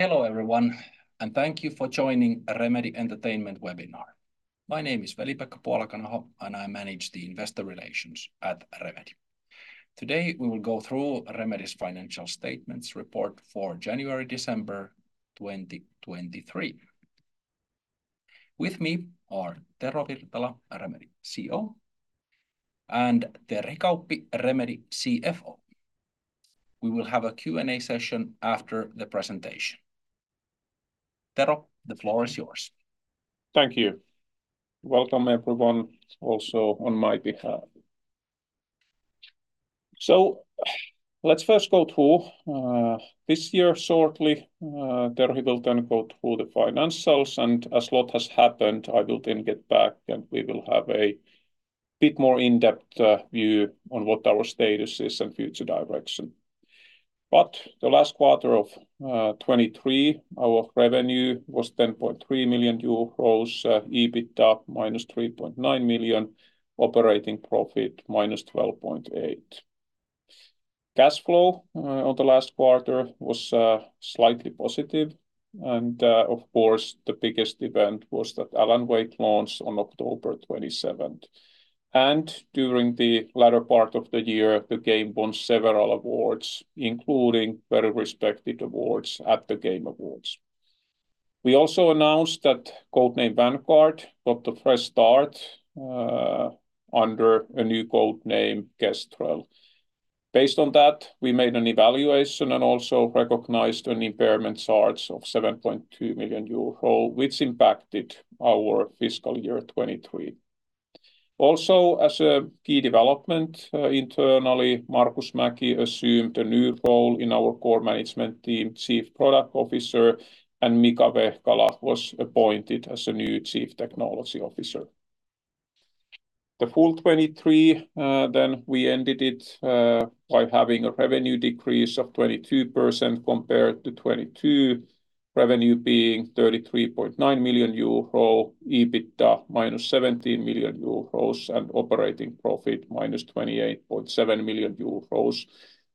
Hello everyone, and thank you for joining Remedy Entertainment's webinar. My name is Veli-Pekka Puolakanaho, and I manage the investor relations at Remedy. Today we will go through Remedy's financial statements report for January-December 2023. With me are Tero Virtala, Remedy CEO, and Terhi Kauppi, Remedy CFO. We will have a Q&A session after the presentation. Tero, the floor is yours. Thank you. Welcome everyone, also on my behalf. So let's first go through this year shortly. Terhi will then go through the financials, and as a lot has happened, I will then get back and we will have a bit more in-depth view on what our status is and future direction. But the last quarter of 2023, our revenue was 10.3 million euros, EBITDA -3.9 million, operating profit -12.8 million. Cash flow on the last quarter was slightly positive, and of course the biggest event was that Alan Wake launched on October 27. And during the latter part of the year, the game won several awards, including very respected awards at The Game Awards. We also announced that Codename Vanguard got a fresh start under a new codename, Kestrel. Based on that, we made an evaluation and also recognized an impairment charge of 7.2 million euro, which impacted our fiscal year 2023. Also, as a key development internally, Markus Mäki assumed a new role in our core management team, Chief Product Officer, and Mika Vehkala was appointed as a new Chief Technology Officer. The full 2023, then we ended it by having a revenue decrease of 22% compared to 2022, revenue being 33.9 million euro, EBITDA of -17 million euros, and operating profit of -28.7 million euros.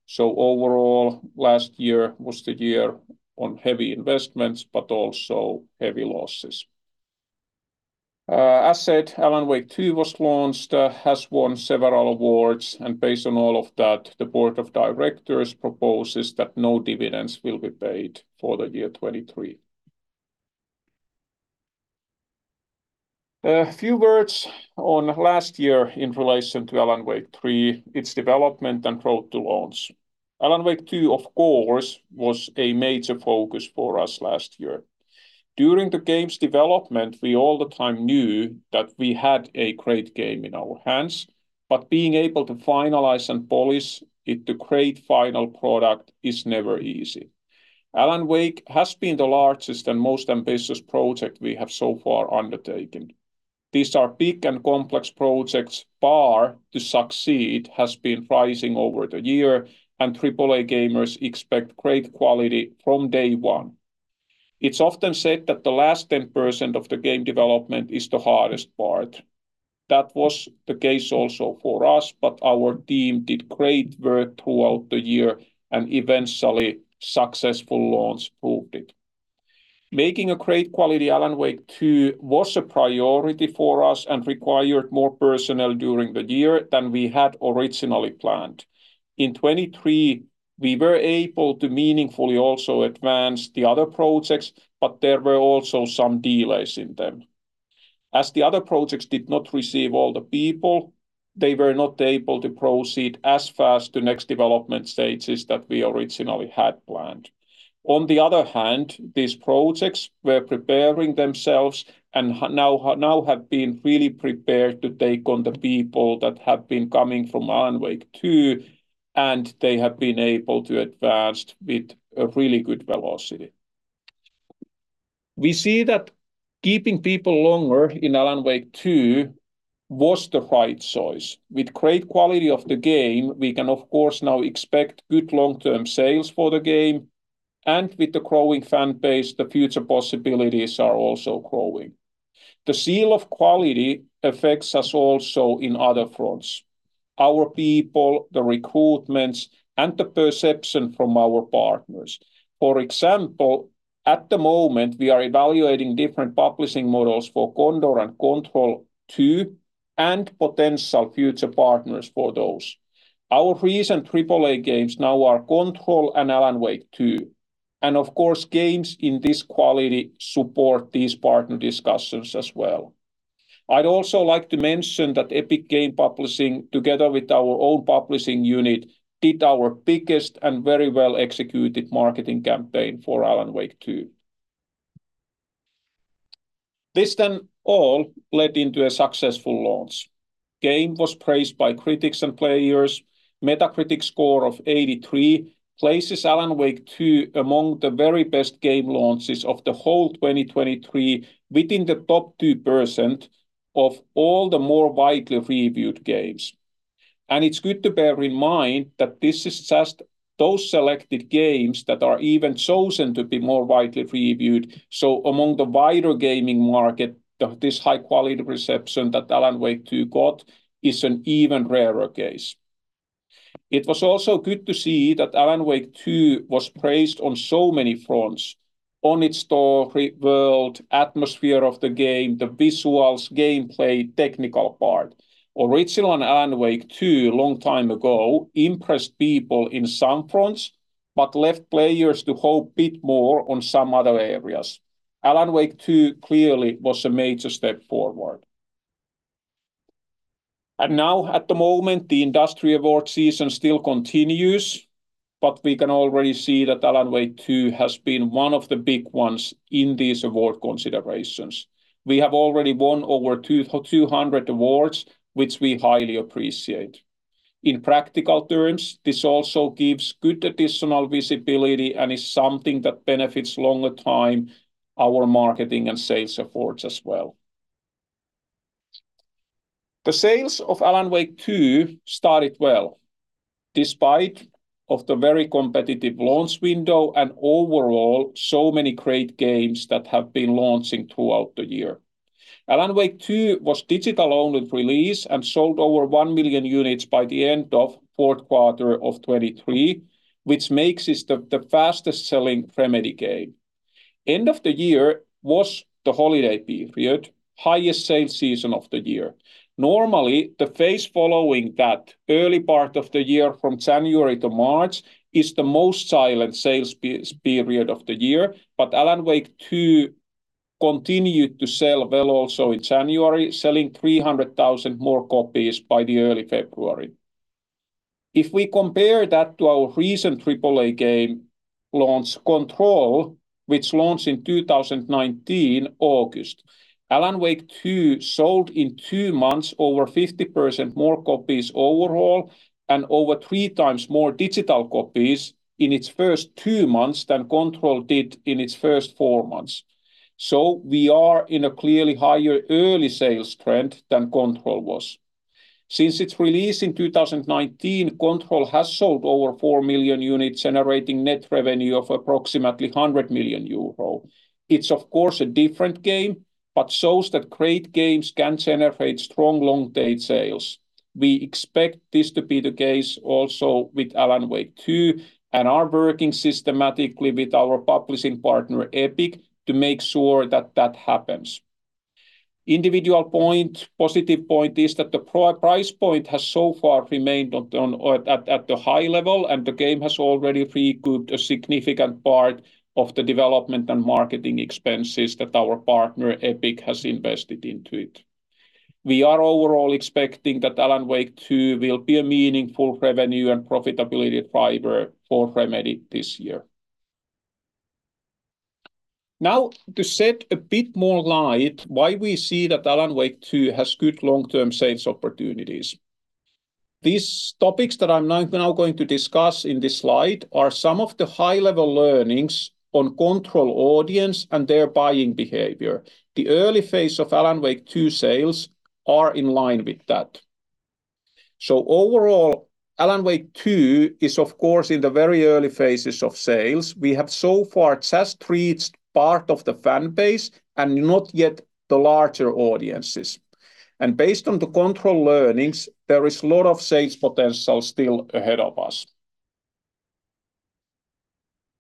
So overall, last year was the year on heavy investments but also heavy losses. As said, Alan Wake 2 was launched, has won several awards, and based on all of that, the board of directors proposes that no dividends will be paid for the year 2023. A few words on last year in relation to Alan Wake 3, its development, and road to launch. Alan Wake 2, of course, was a major focus for us last year. During the game's development, we all the time knew that we had a great game in our hands, but being able to finalize and polish it to create final product is never easy. Alan Wake has been the largest and most ambitious project we have so far undertaken. These are big and complex projects. Bar to succeed has been rising over the year, and AAA gamers expect great quality from day one. It's often said that the last 10% of the game development is the hardest part. That was the case also for us, but our team did great work throughout the year, and eventually successful launch proved it. Making a great quality Alan Wake 2 was a priority for us and required more personnel during the year than we had originally planned. In 2023, we were able to meaningfully also advance the other projects, but there were also some delays in them. As the other projects did not receive all the people, they were not able to proceed as fast to next development stages that we originally had planned. On the other hand, these projects were preparing themselves and now have been really prepared to take on the people that have been coming from Alan Wake 2, and they have been able to advance with a really good velocity. We see that keeping people longer in Alan Wake 2 was the right choice. With great quality of the game, we can, of course, now expect good long-term sales for the game, and with the growing fanbase, the future possibilities are also growing. The seal of quality affects us also in other fronts: our people, the recruitments, and the perception from our partners. For example, at the moment, we are evaluating different publishing models for Condor and Control 2 and potential future partners for those. Our recent AAA games now are Control and Alan Wake 2, and of course, games in this quality support these partner discussions as well. I'd also like to mention that Epic Games Publishing, together with our own publishing unit, did our biggest and very well-executed marketing campaign for Alan Wake 2. This then all led into a successful launch. The game was praised by critics and players. The Metacritic score of 83 places Alan Wake 2 among the very best game launches of the whole 2023 within the top 2% of all the more widely reviewed games. It's good to bear in mind that this is just those selected games that are even chosen to be more widely reviewed, so among the wider gaming market, this high-quality reception that Alan Wake 2 got is an even rarer case. It was also good to see that Alan Wake 2 was praised on so many fronts: on its story, world, atmosphere of the game, the visuals, gameplay, technical part. Original Alan Wake, a long time ago, impressed people in some fronts but left players to hope a bit more on some other areas. Alan Wake 2 clearly was a major step forward. Now, at the moment, the industry awards season still continues, but we can already see that Alan Wake 2 has been one of the big ones in these award considerations. We have already won over 200 awards, which we highly appreciate. In practical terms, this also gives good additional visibility and is something that benefits longer-term marketing and sales efforts as well. The sales of Alan Wake 2 started well, despite the very competitive launch window and overall so many great games that have been launching throughout the year. Alan Wake 2 was a digital-only release and sold over one million units by the end of the fourth quarter of 2023, which makes it the fastest-selling Remedy game. The end of the year was the holiday period, the highest sales season of the year. Normally, the phase following that, the early part of the year from January to March, is the most silent sales period of the year, but Alan Wake 2 continued to sell well also in January, selling 300,000 more copies by early February. If we compare that to our recent AAA game launch, Control, which launched in August 2019, Alan Wake 2 sold in two months over 50% more copies overall and over three times more digital copies in its first two months than Control did in its first four months. So we are in a clearly higher early sales trend than Control was. Since its release in 2019, Control has sold over 4 million units, generating net revenue of approximately 100 million euro. It's, of course, a different game, but shows that great games can generate strong long-tail sales. We expect this to be the case also with Alan Wake 2, and we are working systematically with our publishing partner, Epic, to make sure that that happens. The individual positive point is that the price point has so far remained at the high level, and the game has already recouped a significant part of the development and marketing expenses that our partner, Epic, has invested into it. We are overall expecting that Alan Wake 2 will be a meaningful revenue and profitability driver for Remedy this year. Now, to shed a bit more light on why we see that Alan Wake 2 has good long-term sales opportunities. The topics that I'm now going to discuss in this slide are some of the high-level learnings on the Control audience and their buying behavior. The early phase of Alan Wake 2 sales is in line with that. So overall, Alan Wake 2 is, of course, in the very early phases of sales. We have so far just reached part of the fanbase and not yet the larger audiences. And based on the Control learnings, there is a lot of sales potential still ahead of us.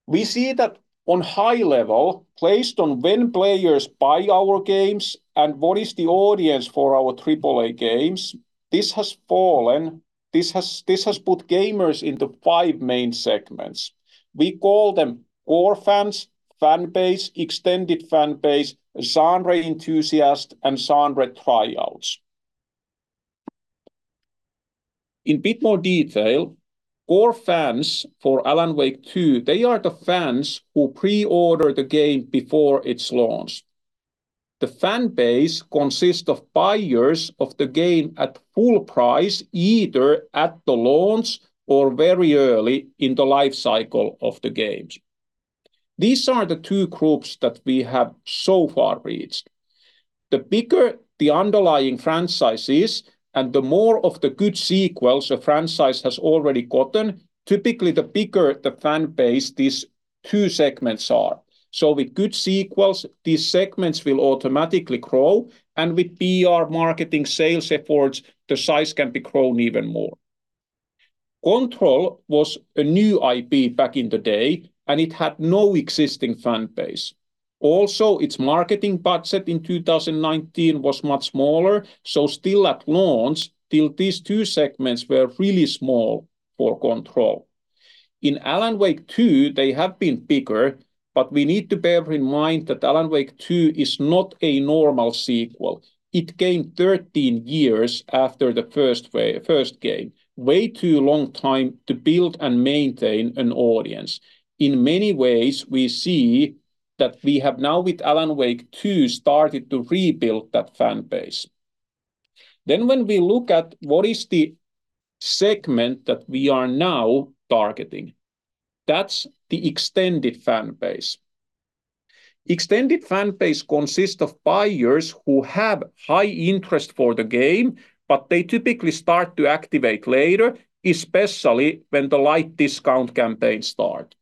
We see that on a high level, based on when players buy our games and what is the audience for our AAA games, this has fallen. This has put gamers into five main segments. We call them core fans, fanbase, extended fanbase, genre enthusiasts, and genre tryouts. In a bit more detail, core fans for Alan Wake 2 are the fans who pre-order the game before its launch. The fanbase consists of buyers of the game at full price, either at the launch or very early in the life cycle of the games. These are the two groups that we have so far reached. The bigger the underlying franchise is and the more of the good sequels a franchise has already gotten, typically the bigger the fanbase these two segments are. So with good sequels, these segments will automatically grow, and with PR marketing sales efforts, the size can be grown even more. Control was a new IP back in the day, and it had no existing fanbase. Also, its marketing budget in 2019 was much smaller, so still at launch, these two segments were really small for Control. In Alan Wake 2, they have been bigger, but we need to bear in mind that Alan Wake 2 is not a normal sequel. It came 13 years after the first game, a way too long time to build and maintain an audience. In many ways, we see that we have now, with Alan Wake 2, started to rebuild that fanbase. Then when we look at what is the segment that we are now targeting, that's the extended fanbase. The extended fanbase consists of buyers who have high interest for the game, but they typically start to activate later, especially when the light discount campaigns start.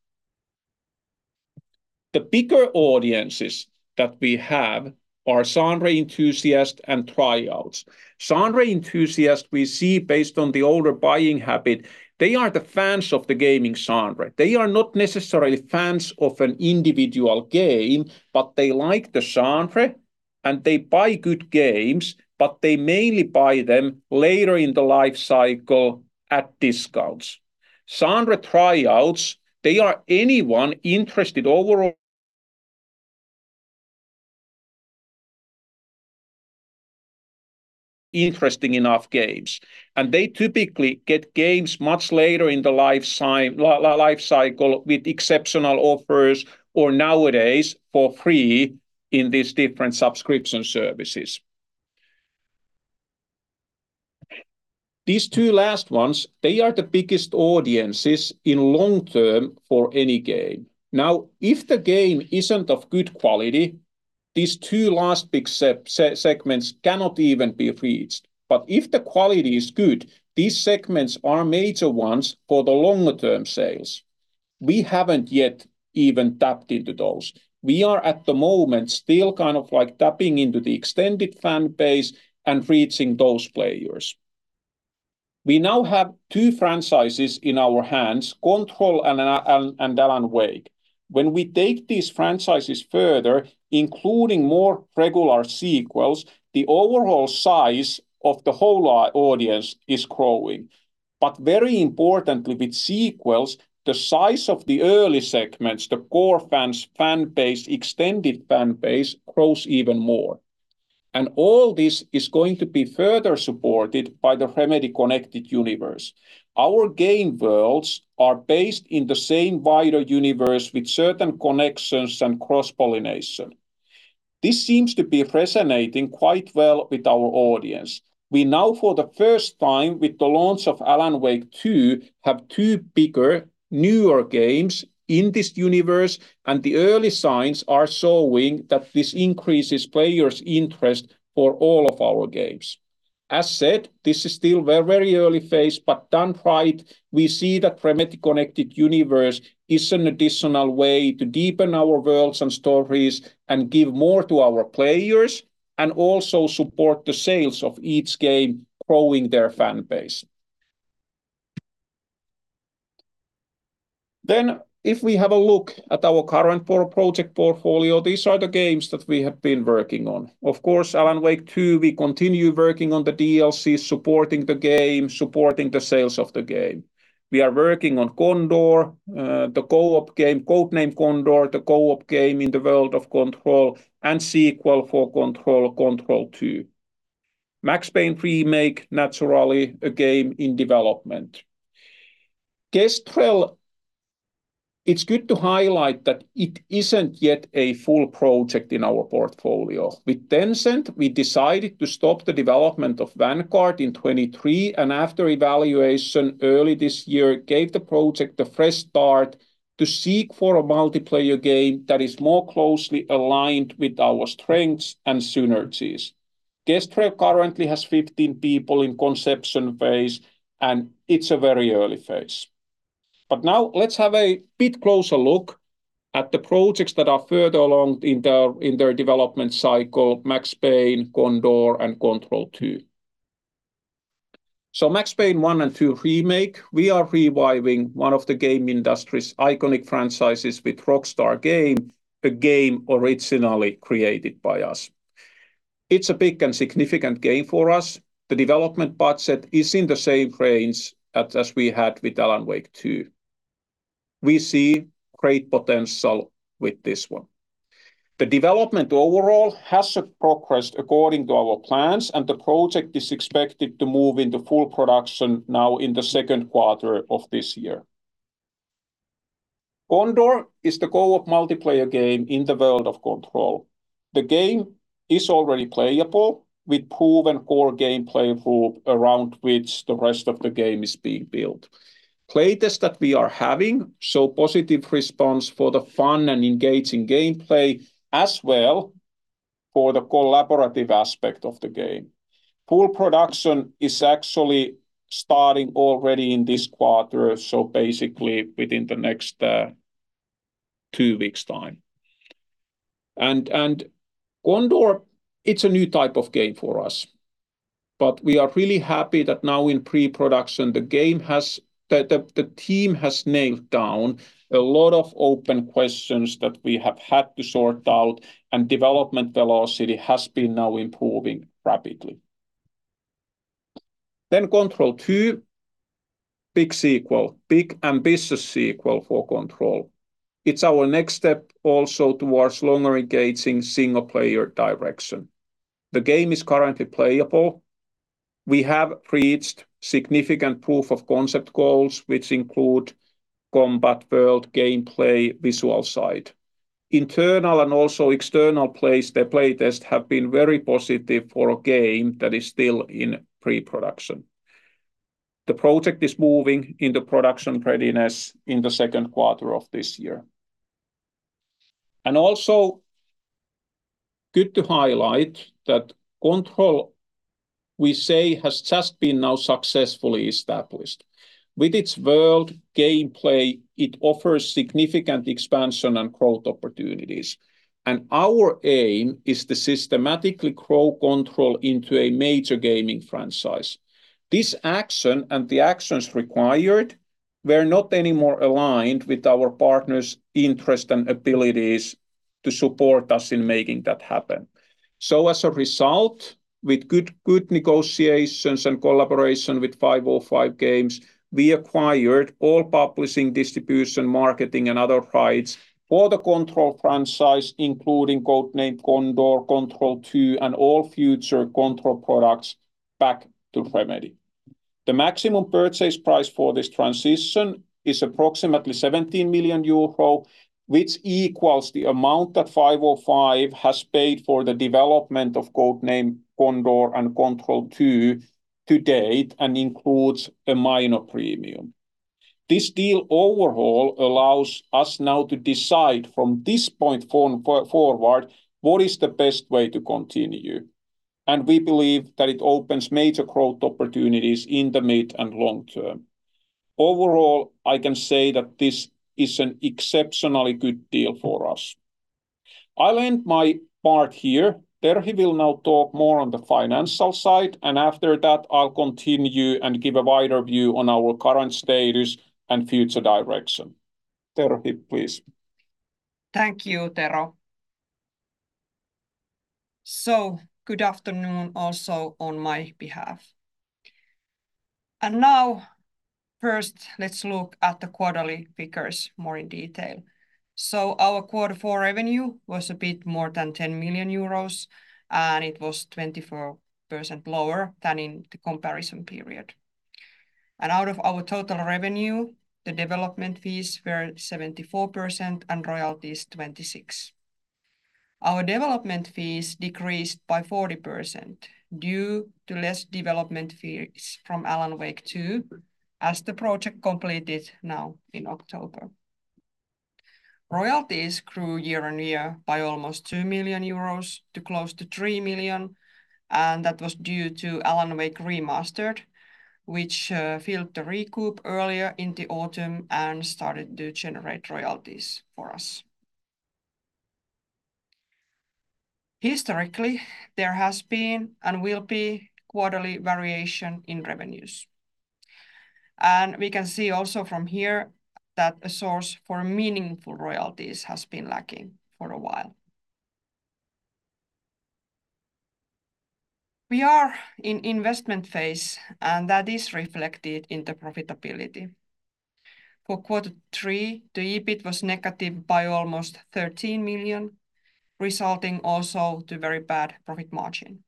The bigger audiences that we have are genre enthusiasts and tryouts. Genre enthusiasts we see based on the older buying habit. They are the fans of the gaming genre. They are not necessarily fans of an individual game, but they like the genre, and they buy good games, but they mainly buy them later in the life cycle at discounts. Genre tryouts—they are anyone interested overall in interesting enough games, and they typically get games much later in the life cycle with exceptional offers or nowadays for free in these different subscription services. These two last ones—they are the biggest audiences in long term for any game. Now, if the game isn't of good quality, these two last big segments cannot even be reached. But if the quality is good, these segments are major ones for the longer-term sales. We haven't yet even tapped into those. We are, at the moment, still kind of like tapping into the extended fanbase and reaching those players. We now have two franchises in our hands: Control and Alan Wake. When we take these franchises further, including more regular sequels, the overall size of the whole audience is growing. But very importantly, with sequels, the size of the early segments (the core fans' fanbase, extended fanbase) grows even more. And all this is going to be further supported by the Remedy Connected Universe. Our game worlds are based in the same wider universe with certain connections and cross-pollination. This seems to be resonating quite well with our audience. We now, for the first time with the launch of Alan Wake 2, have two bigger, newer games in this universe, and the early signs are showing that this increases players' interest for all of our games. As said, this is still a very early phase, but done right, we see that the Remedy Connected Universe is an additional way to deepen our worlds and stories and give more to our players and also support the sales of each game, growing their fanbase. Then, if we have a look at our current project portfolio, these are the games that we have been working on. Of course, Alan Wake 2, we continue working on the DLCs, supporting the game, supporting the sales of the game. We are working on Codename Condor, the Codename Condor, the co-op game in the world of Control, and the sequel for Control, Control 2. Max Payne Remake, naturally, is a game in development. Kestrel, it's good to highlight that it isn't yet a full project in our portfolio. With Tencent, we decided to stop the development of Vanguard in 2023, and after evaluation early this year, we gave the project a fresh start to seek for a multiplayer game that is more closely aligned with our strengths and synergies. Kestrel currently has 15 people in the conception phase, and it's a very early phase. Now, let's have a bit closer look at the projects that are further along in their development cycle: Max Payne, Condor, and Control 2. Max Payne 1 and 2 Remake - we are reviving one of the game industry's iconic franchises with Rockstar Games, a game originally created by us. It's a big and significant game for us. The development budget is in the same range as we had with Alan Wake 2. We see great potential with this one. The development overall has progressed according to our plans, and the project is expected to move into full production now in the second quarter of this year. Condor is the co-op multiplayer game in the world of Control. The game is already playable, with proven core gameplay proof around which the rest of the game is being built. Playtests that we are having show positive response for the fun and engaging gameplay, as well as for the collaborative aspect of the game. Full production is actually starting already in this quarter, so basically within the next two weeks time. Condor, it's a new type of game for us, but we are really happy that now in pre-production, the team has nailed down a lot of open questions that we have had to sort out, and development velocity has been now improving rapidly. Control 2, a big sequel, a big and ambitious sequel for Control. It's our next step also towards a longer-engaging single-player direction. The game is currently playable. We have reached significant proof of concept goals, which include combat, world, gameplay, and the visual side. Internal and also external playtests have been very positive for a game that is still in pre-production. The project is moving into production readiness in the second quarter of this year. Also, it's good to highlight that Control—we say—has just been now successfully established. With its world and gameplay, it offers significant expansion and growth opportunities, and our aim is to systematically grow Control into a major gaming franchise. This action and the actions required were not anymore aligned with our partners' interests and abilities to support us in making that happen. So, as a result, with good negotiations and collaboration with 505 Games, we acquired all publishing, distribution, marketing, and other rights for the Control franchise, including Codename Condor, Control 2, and all future Control products back to Remedy. The maximum purchase price for this transition is approximately 17 million euro, which equals the amount that 505 has paid for the development of the Codename Condor and Control 2 to date and includes a minor premium. This deal overall allows us now to decide from this point forward what is the best way to continue, and we believe that it opens major growth opportunities in the mid and long term. Overall, I can say that this is an exceptionally good deal for us. I'll end my part here. Terhi will now talk more on the financial side, and after that, I'll continue and give a wider view on our current status and future direction. Terhi, please. Thank you, Tero. So, good afternoon also on my behalf. And now, first, let's look at the quarterly figures more in detail. Our quarter four revenue was a bit more than 10 million euros, and it was 24% lower than in the comparison period. Out of our total revenue, the development fees were 74% and royalties 26%. Our development fees decreased by 40% due to less development fees from Alan Wake 2 as the project completed now in October. Royalties grew year-on-year by almost two million euros to close to three million, and that was due to Alan Wake Remastered, which filled the recoup earlier in the autumn and started to generate royalties for us. Historically, there has been and will be quarterly variation in revenues. We can see also from here that a source for meaningful royalties has been lacking for a while. We are in the investment phase, and that is reflected in the profitability. For quarter three, the EBIT was negative by almost 13 million, resulting also in a very bad profit margin.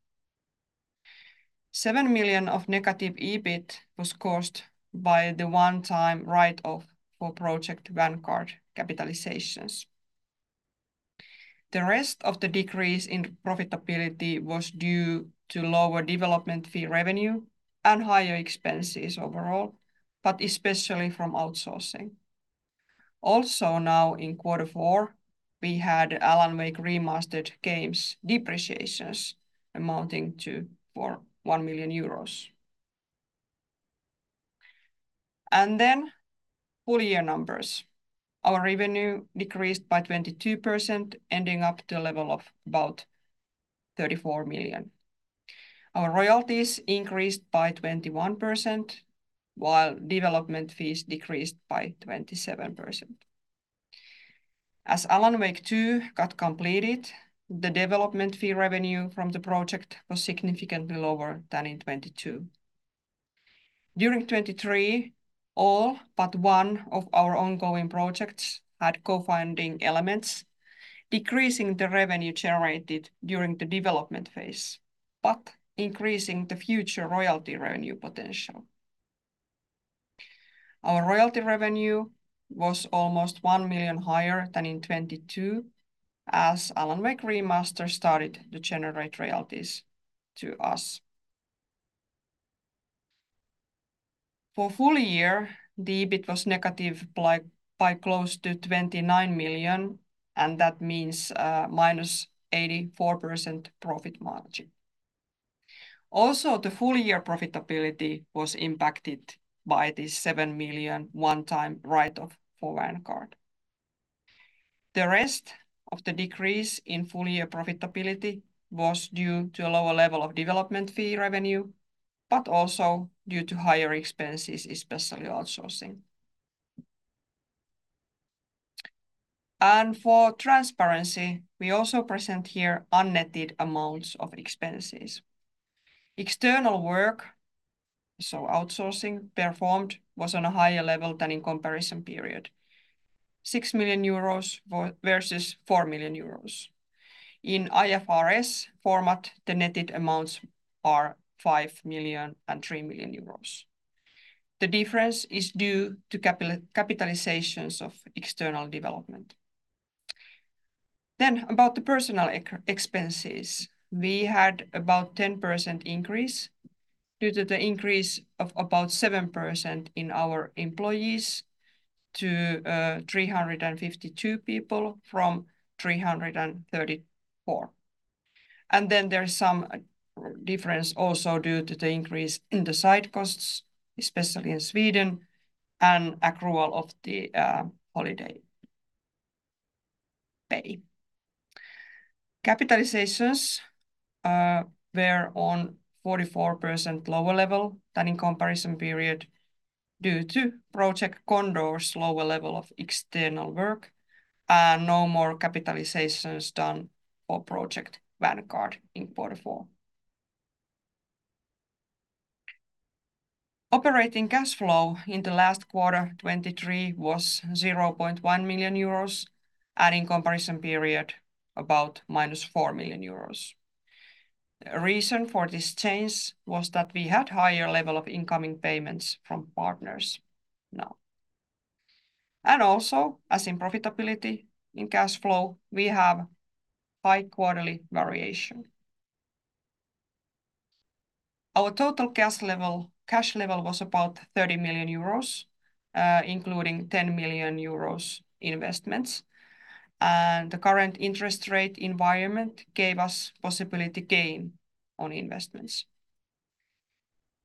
seven million of negative EBIT was caused by the one-time write-off for Project Vanguard capitalizations. The rest of the decrease in profitability was due to lower development fee revenue and higher expenses overall, but especially from outsourcing. Now in quarter four, we had Alan Wake Remastered game's depreciations amounting to EUR one million. Full-year numbers: our revenue decreased by 22%, ending up at the level of about 34 million. Our royalties increased by 21%, while development fees decreased by 27%. As Alan Wake 2 got completed, the development fee revenue from the project was significantly lower than in 2022. During 2023, all but one of our ongoing projects had co-funding elements, decreasing the revenue generated during the development phase but increasing the future royalty revenue potential. Our royalty revenue was almost one million higher than in 2022 as Alan Wake Remastered started to generate royalties to us. For the full year, the EBIT was negative by close to 29 million, and that means a -84% profit margin. Also, the full-year profitability was impacted by this seven million one-time write-off for Vanguard. The rest of the decrease in full-year profitability was due to a lower level of development fee revenue but also due to higher expenses, especially outsourcing. For transparency, we also present here unnetted amounts of expenses. External work (so outsourcing) performed was on a higher level than in the comparison period: six million euros versus four million euros. In IFRS format, the netted amounts are five million and three million euros. The difference is due to capitalizations of external development. Then, about the personnel expenses: we had about a 10% increase due to the increase of about 7% in our employees to 352 people from 334. And then there's some difference also due to the increase in the site costs, especially in Sweden, and accrual of the holiday pay. Capitalizations were on a 44% lower level than in the comparison period due to Codename Condor's lower level of external work and no more capitalizations done for Codename Vanguard in quarter four. Operating cash flow in the last quarter, 2023, was 0.1 million euros, and in the comparison period, about -four million euros. The reason for this change was that we had a higher level of incoming payments from partners now. And also, as in profitability in cash flow, we have high quarterly variation. Our total cash level was about 30 million euros, including 10 million euros in investments, and the current interest rate environment gave us a possibility gain on investments.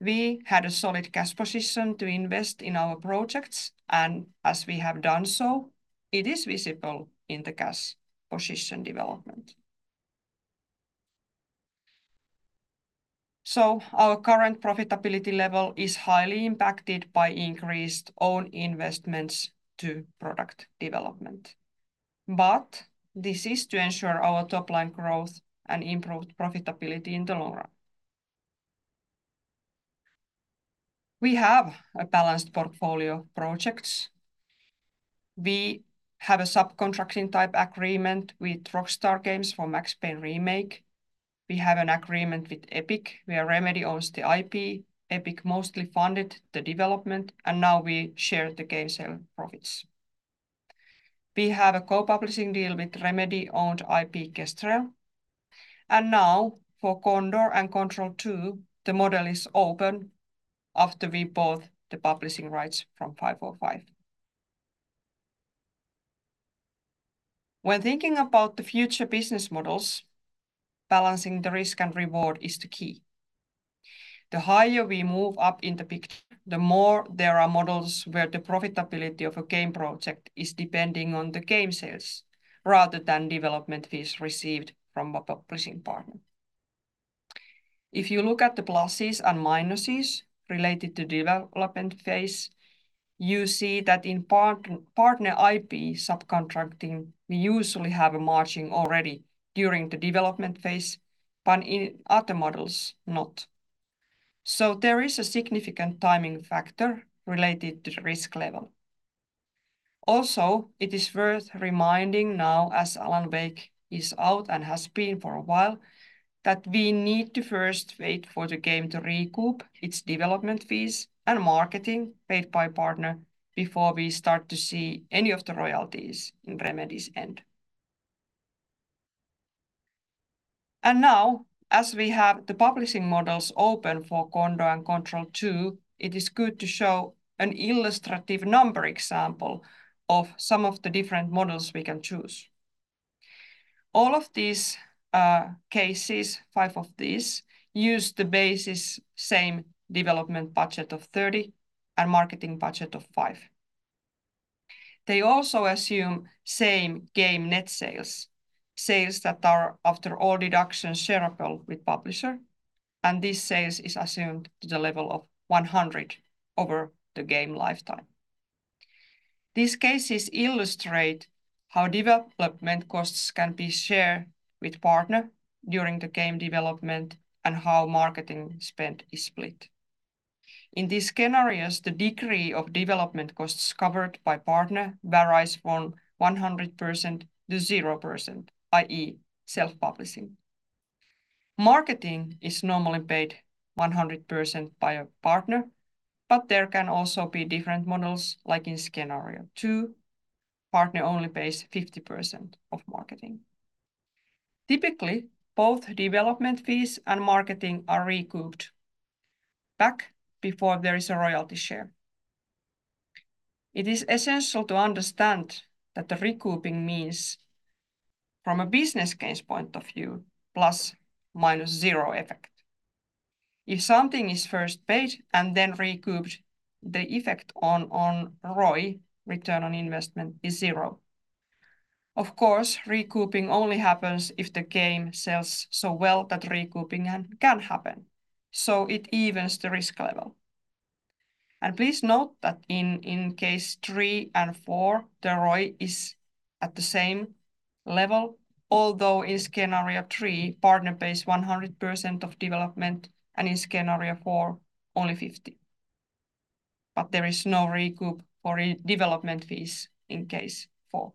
We had a solid cash position to invest in our projects, and as we have done so, it is visible in the cash position development. So, our current profitability level is highly impacted by increased own investments to product development, but this is to ensure our top-line growth and improved profitability in the long run. We have a balanced portfolio of projects. We have a subcontracting type agreement with Rockstar Games for Max Payne Remake. We have an agreement with Epic. Remedy owns the IP. Epic mostly funded the development, and now we share the game sale profits. We have a co-publishing deal with Remedy-owned IP Kestrel. Now, for Condor and Control 2, the model is open after we bought the publishing rights from 505. When thinking about the future business models, balancing the risk and reward is key. The higher we move up in the picture, the more there are models where the profitability of a game project is depending on the game sales rather than development fees received from a publishing partner. If you look at the pluses and minuses related to the development phase, you see that in partner IP subcontracting, we usually have a margin already during the development phase, but in other models, not. There is a significant timing factor related to the risk level. Also, it is worth reminding now, as Alan Wake is out and has been for a while, that we need to first wait for the game to recoup its development fees and marketing paid by a partner before we start to see any of the royalties in Remedy's end. Now, as we have the publishing models open for Condor and Control 2, it is good to show an illustrative number example of some of the different models we can choose. All of these cases, five of these, use the same basis development budget of 30 and marketing budget of EUR five. They also assume same game net sales, sales that are, after all deductions, shareable with the publisher, and this sale is assumed to the level of 100 over the game lifetime. These cases illustrate how development costs can be shared with a partner during the game development and how marketing spend is split. In these scenarios, the degree of development costs covered by a partner varies from 100%-0%, i.e., self-publishing. Marketing is normally paid 100% by a partner, but there can also be different models, like in scenario two, partner only pays 50% of marketing. Typically, both development fees and marketing are recouped back before there is a royalty share. It is essential to understand that the recouping means, from a business gains point of view, plus-minus-zero effect. If something is first paid and then recouped, the effect on ROI, return on investment, is zero. Of course, recouping only happens if the game sells so well that recouping can happen, so it evens the risk level. Please note that in case three and four, the ROI is at the same level, although in scenario three, partner pays 100% of development, and in scenario four, only 50%. But there is no recoup for development fees in case four.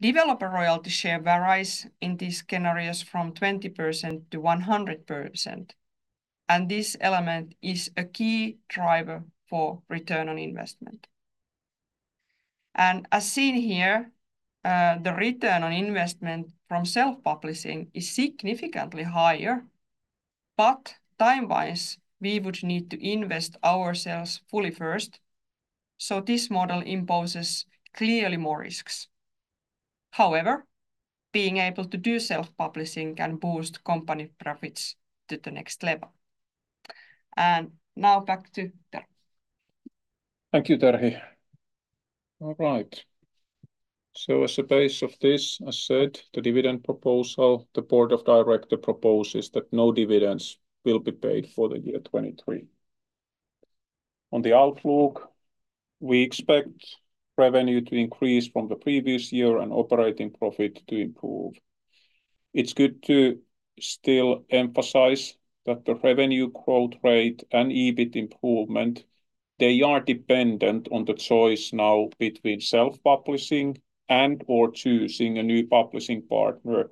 Developer royalty share varies in these scenarios from 20%-100%, and this element is a key driver for return on investment. As seen here, the return on investment from self-publishing is significantly higher, but timewise, we would need to invest ourselves fully first, so this model imposes clearly more risks. However, being able to do self-publishing can boost company profits to the next level. Now back to Terhi. Thank you, Terhi. All right. So, as the basis of this, as said, the dividend proposal, the board of directors proposes that no dividends will be paid for the year 2023. On the outlook, we expect revenue to increase from the previous year and operating profit to improve. It's good to still emphasize that the revenue growth rate and EBIT improvement, they are dependent on the choice now between self-publishing and/or choosing a new publishing partner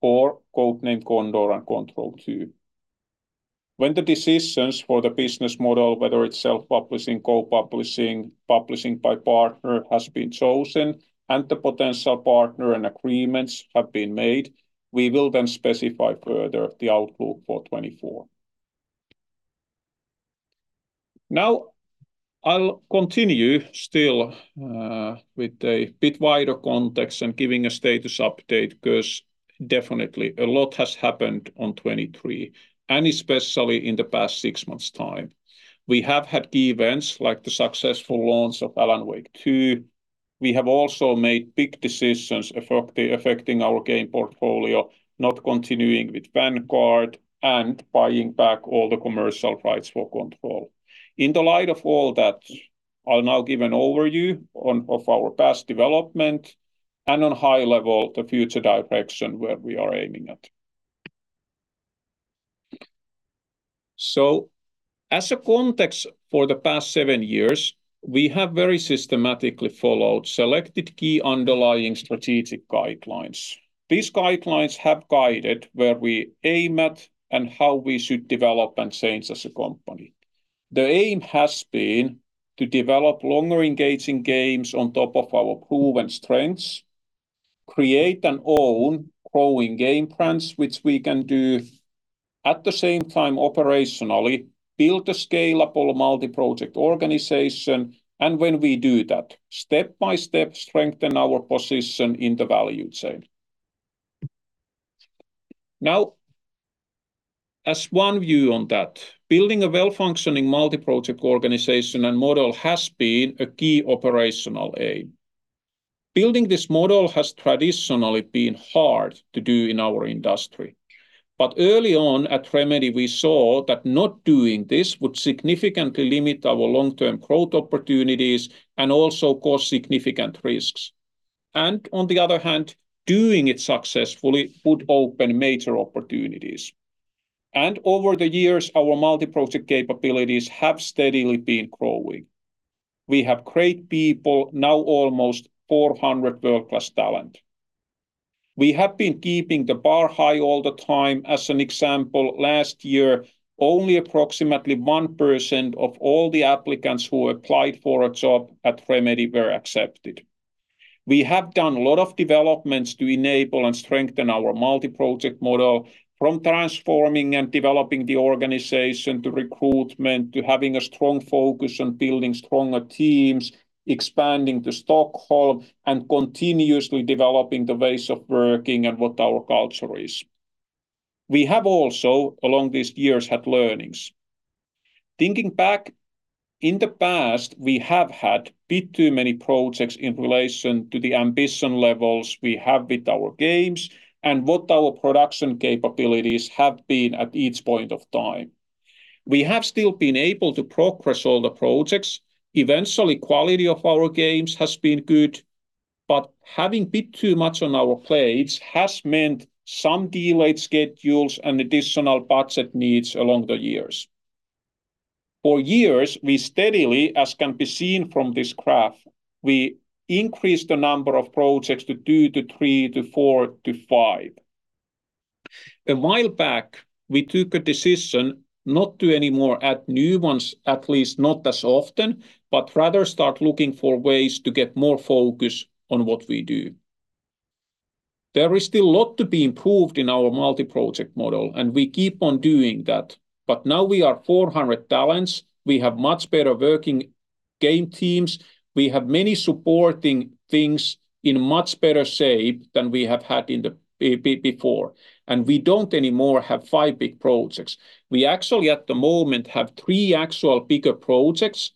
or Codename Condor and Control 2. When the decisions for the business model, whether it's self-publishing, co-publishing, publishing by partner, have been chosen and the potential partner and agreements have been made, we will then specify further the outlook for 2024. Now, I'll continue still with a bit wider context and giving a status update because definitely a lot has happened in 2023, and especially in the past six months' time. We have had key events like the successful launch of Alan Wake 2. We have also made big decisions affecting our game portfolio, not continuing with Vanguard and buying back all the commercial rights for Control. In the light of all that, I'll now give an overview of our past development and, on a high level, the future direction where we are aiming at. As a context for the past seven years, we have very systematically followed selected key underlying strategic guidelines. These guidelines have guided where we aim at and how we should develop and change as a company. The aim has been to develop longer-engaging games on top of our proven strengths, create our own growing game brands, which we can do at the same time operationally, build a scalable multi-project organization, and when we do that, step by step strengthen our position in the value chain. Now, as one view on that, building a well-functioning multi-project organization and model has been a key operational aim. Building this model has traditionally been hard to do in our industry, but early on at Remedy, we saw that not doing this would significantly limit our long-term growth opportunities and also cause significant risks. On the other hand, doing it successfully would open major opportunities. Over the years, our multi-project capabilities have steadily been growing. We have great people, now almost 400 world-class talent. We have been keeping the bar high all the time. As an example, last year, only approximately 1% of all the applicants who applied for a job at Remedy were accepted. We have done a lot of developments to enable and strengthen our multi-project model, from transforming and developing the organization to recruitment to having a strong focus on building stronger teams, expanding to Stockholm, and continuously developing the ways of working and what our culture is. We have also, along these years, had learnings. Thinking back, in the past, we have had a bit too many projects in relation to the ambition levels we have with our games and what our production capabilities have been at each point of time. We have still been able to progress all the projects. Eventually, the quality of our games has been good, but having a bit too much on our plates has meant some delayed schedules and additional budget needs along the years. For years, we steadily, as can be seen from this graph, we increased the number of projects to two, to three, to four, to five. A while back, we took a decision not to anymore add new ones, at least not as often, but rather start looking for ways to get more focus on what we do. There is still a lot to be improved in our multi-project model, and we keep on doing that, but now we are 400 talents. We have much better working game teams. We have many supporting things in a much better shape than we have had before, and we don't anymore have five big projects. We actually, at the moment, have three actual bigger projects: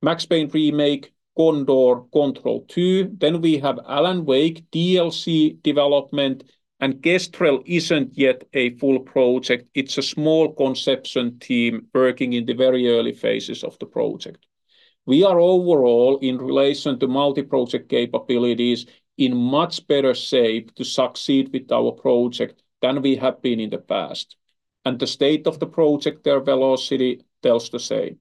Max Payne Remake, Condor, Control 2. Then we have Alan Wake, DLC development, and Kestrel isn't yet a full project. It's a small pre-production team working in the very early phases of the project. We are overall, in relation to multi-project capabilities, in a much better shape to succeed with our project than we have been in the past, and the state of the project, their velocity, tells the same.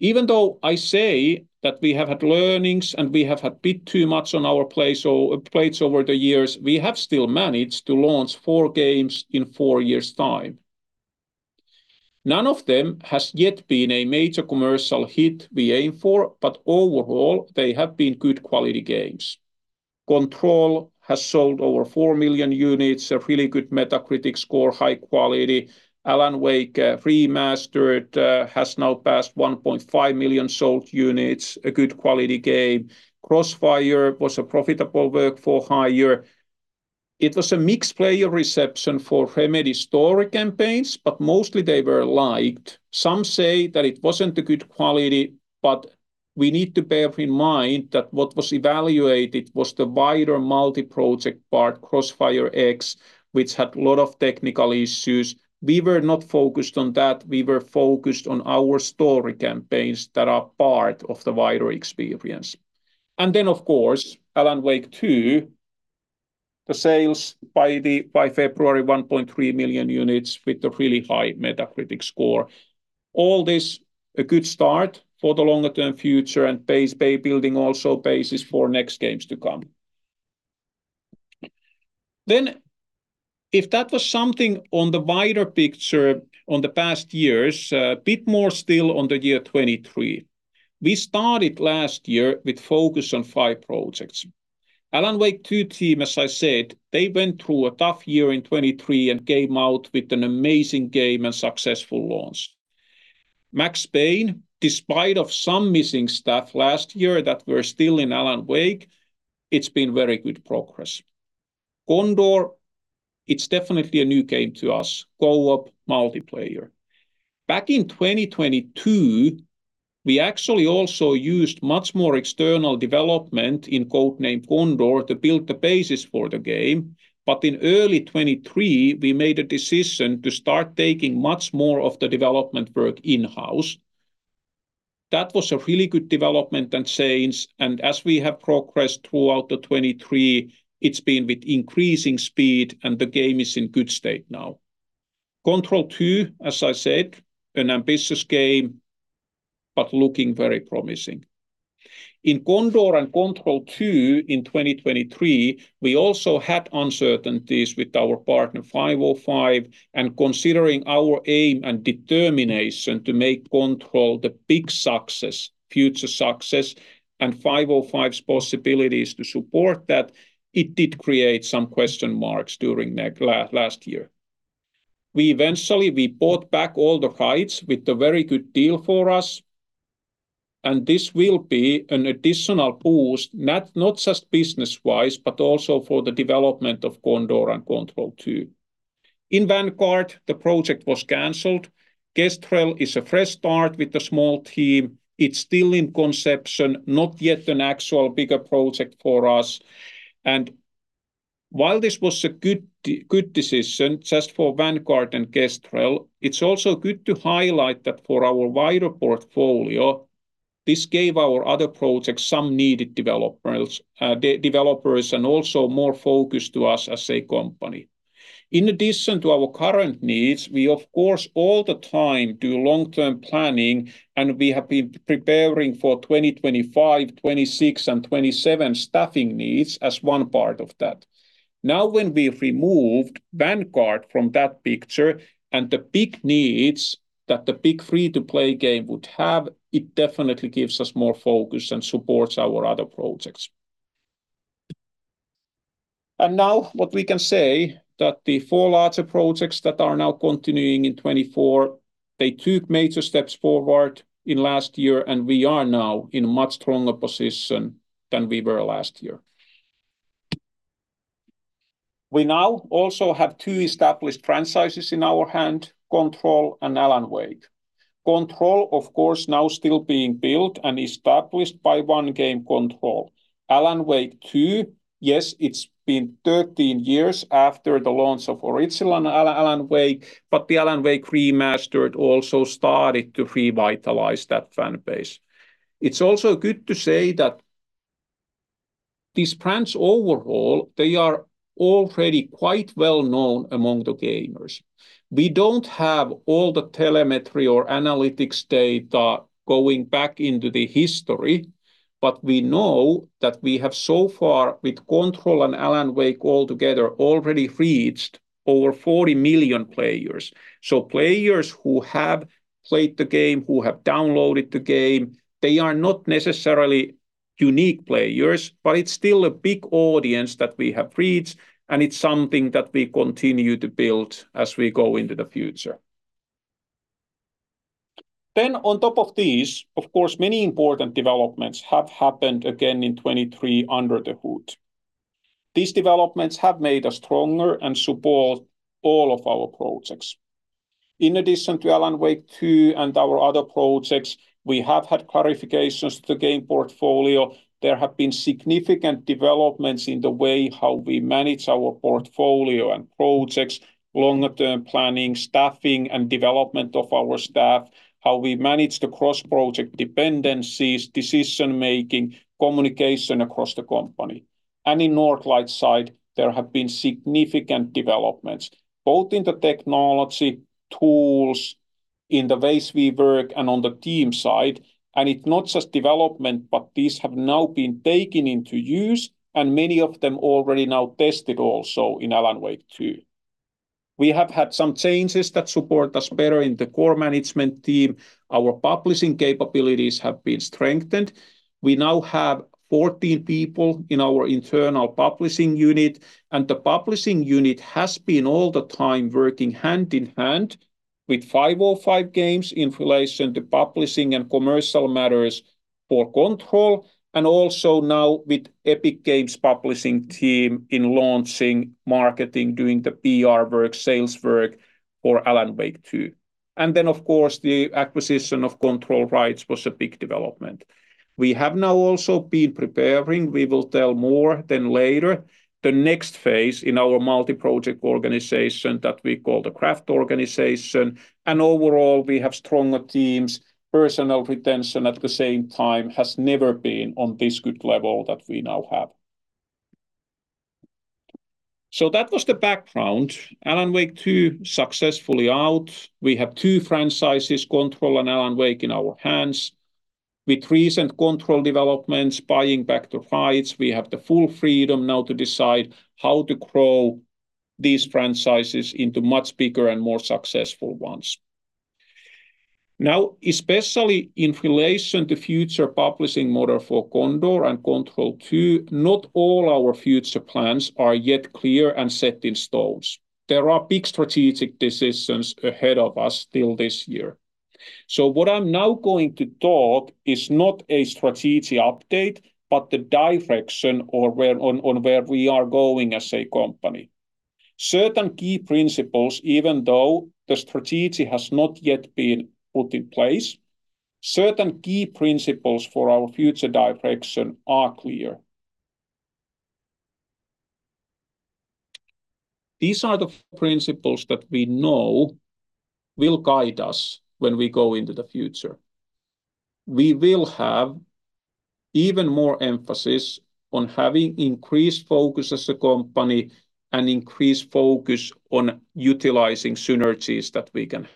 Even though I say that we have had learnings and we have had a bit too much on our plates over the years, we have still managed to launch four games in four years' time. None of them has yet been a major commercial hit we aim for, but overall, they have been good-quality games. Control has sold over four million units, a really good Metacritic score, high quality. Alan Wake Remastered has now passed 1.5 million sold units, a good-quality game. Crossfire was a profitable work for hire. It was a mixed-player reception for Remedy's story campaigns, but mostly they were liked. Some say that it wasn't a good quality, but we need to bear in mind that what was evaluated was the wider multi-project part, CrossfireX, which had a lot of technical issues. We were not focused on that. We were focused on our story campaigns that are part of the wider experience. And then, of course, Alan Wake 2, the sales by February: 1.3 million units with a really high Metacritic score. All this is a good start for the longer-term future and builds also a basis for next games to come. Then, if that was something on the wider picture in the past years, a bit more still in the year 2023. We started last year with a focus on five projects. Alan Wake 2 team, as I said, they went through a tough year in 2023 and came out with an amazing game and successful launch. Max Payne, despite some missing stuff last year that was still in Alan Wake, it's been very good progress. Codename Condor, it's definitely a new game to us: co-op multiplayer. Back in 2022, we actually also used much more external development in Codename Condor to build the basis for the game, but in early 2023, we made a decision to start taking much more of the development work in-house. That was a really good development and change, and as we have progressed throughout 2023, it's been with increasing speed, and the game is in a good state now. Control 2, as I said, is an ambitious game but looking very promising. In Condor and Control 2 in 2023, we also had uncertainties with our partner 505, and considering our aim and determination to make Control the big success, future success, and 505's possibilities to support that, it did create some question marks during last year. Eventually, we bought back all the rights with a very good deal for us, and this will be an additional boost not just business-wise but also for the development of Condor and Control 2. In Vanguard, the project was canceled. Kestrel is a fresh start with a small team. It's still in concept, not yet an actual bigger project for us. While this was a good decision just for Vanguard and Kestrel, it's also good to highlight that for our wider portfolio, this gave our other projects some needed developers and also more focus to us as a company. In addition to our current needs, we, of course, all the time do long-term planning, and we have been preparing for 2025, 2026, and 2027 staffing needs as one part of that. Now, when we removed Vanguard from that picture and the big needs that the big free-to-play game would have, it definitely gives us more focus and supports our other projects. And now what we can say is that the four larger projects that are now continuing in 2024, they took major steps forward in last year, and we are now in a much stronger position than we were last year. We now also have two established franchises in our hands: Control and Alan Wake. Control, of course, is now still being built and established by one game, Control. Alan Wake 2, yes, it's been 13 years after the launch of original Alan Wake, but the Alan Wake Remastered also started to revitalize that fanbase. It's also good to say that these brands overall, they are already quite well known among the gamers. We don't have all the telemetry or analytics data going back into the history, but we know that we have so far with Control and Alan Wake altogether already reached over 40 million players. So players who have played the game, who have downloaded the game, they are not necessarily unique players, but it's still a big audience that we have reached, and it's something that we continue to build as we go into the future. Then, on top of these, of course, many important developments have happened again in 2023 under the hood. These developments have made us stronger and support all of our projects. In addition to Alan Wake 2 and our other projects, we have had clarifications to the game portfolio. There have been significant developments in the way how we manage our portfolio and projects: longer-term planning, staffing, and development of our staff, how we manage the cross-project dependencies, decision-making, communication across the company. In the Northlight side, there have been significant developments both in the technology, tools, in the ways we work, and on the team side. It's not just development, but these have now been taken into use, and many of them are already now tested also in Alan Wake 2. We have had some changes that support us better in the core management team. Our publishing capabilities have been strengthened. We now have 14 people in our internal publishing unit, and the publishing unit has been all the time working hand in hand with 505 Games in relation to publishing and commercial matters for Control, and also now with the Epic Games publishing team in launching, marketing, doing the PR work, sales work for Alan Wake 2. Then, of course, the acquisition of Control rights was a big development. We have now also been preparing, we will tell more than later, the next phase in our multi-project organization that we call the craft organization. Overall, we have stronger teams. Personnel retention at the same time has never been on this good level that we now have. That was the background: Alan Wake 2 successfully out. We have two franchises, Control and Alan Wake, in our hands. With recent Control developments buying back the rights, we have the full freedom now to decide how to grow these franchises into much bigger and more successful ones. Now, especially in relation to the future publishing model for Condor and Control 2, not all our future plans are yet clear and set in stone. There are big strategic decisions ahead of us still this year. So what I'm now going to talk about is not a strategy update, but the direction or where we are going as a company. Certain key principles, even though the strategy has not yet been put in place, certain key principles for our future direction are clear. These are the principles that we know will guide us when we go into the future. We will have even more emphasis on having increased focus as a company and increased focus on utilizing synergies that we can have.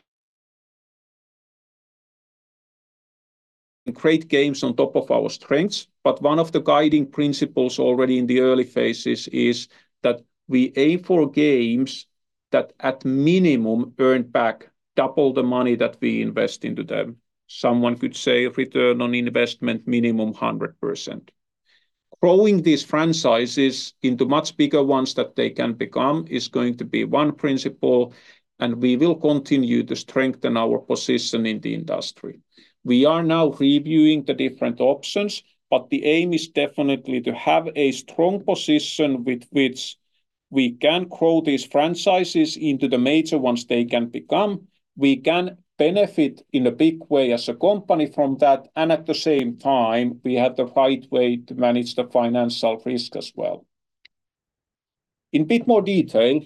Great games on top of our strengths, but one of the guiding principles already in the early phases is that we aim for games that, at minimum, earn back double the money that we invest into them. Someone could say a return on investment minimum 100%. Growing these franchises into much bigger ones than they can become is going to be one principle, and we will continue to strengthen our position in the industry. We are now reviewing the different options, but the aim is definitely to have a strong position with which we can grow these franchises into the major ones they can become. We can benefit in a big way as a company from that, and at the same time, we have the right way to manage the financial risk as well. In a bit more detail,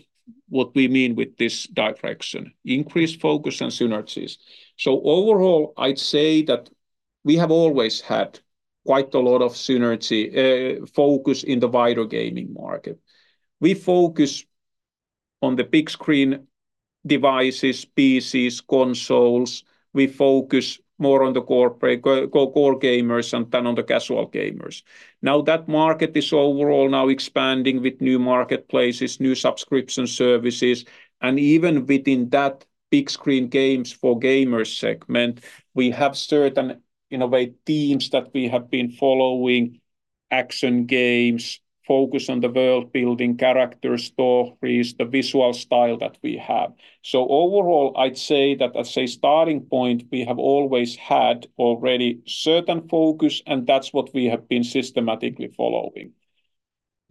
what we mean with this direction: increased focus and synergies. So overall, I'd say that we have always had quite a lot of synergy focus in the wider gaming market. We focus on the big screen devices, PCs, consoles. We focus more on the core gamers and then on the casual gamers. Now, that market is overall now expanding with new marketplaces, new subscription services, and even within that big screen games for gamers segment, we have certain innovative teams that we have been following: action games, focus on the world-building, character stories, the visual style that we have. Overall, I'd say that as a starting point, we have always had already certain focus, and that's what we have been systematically following.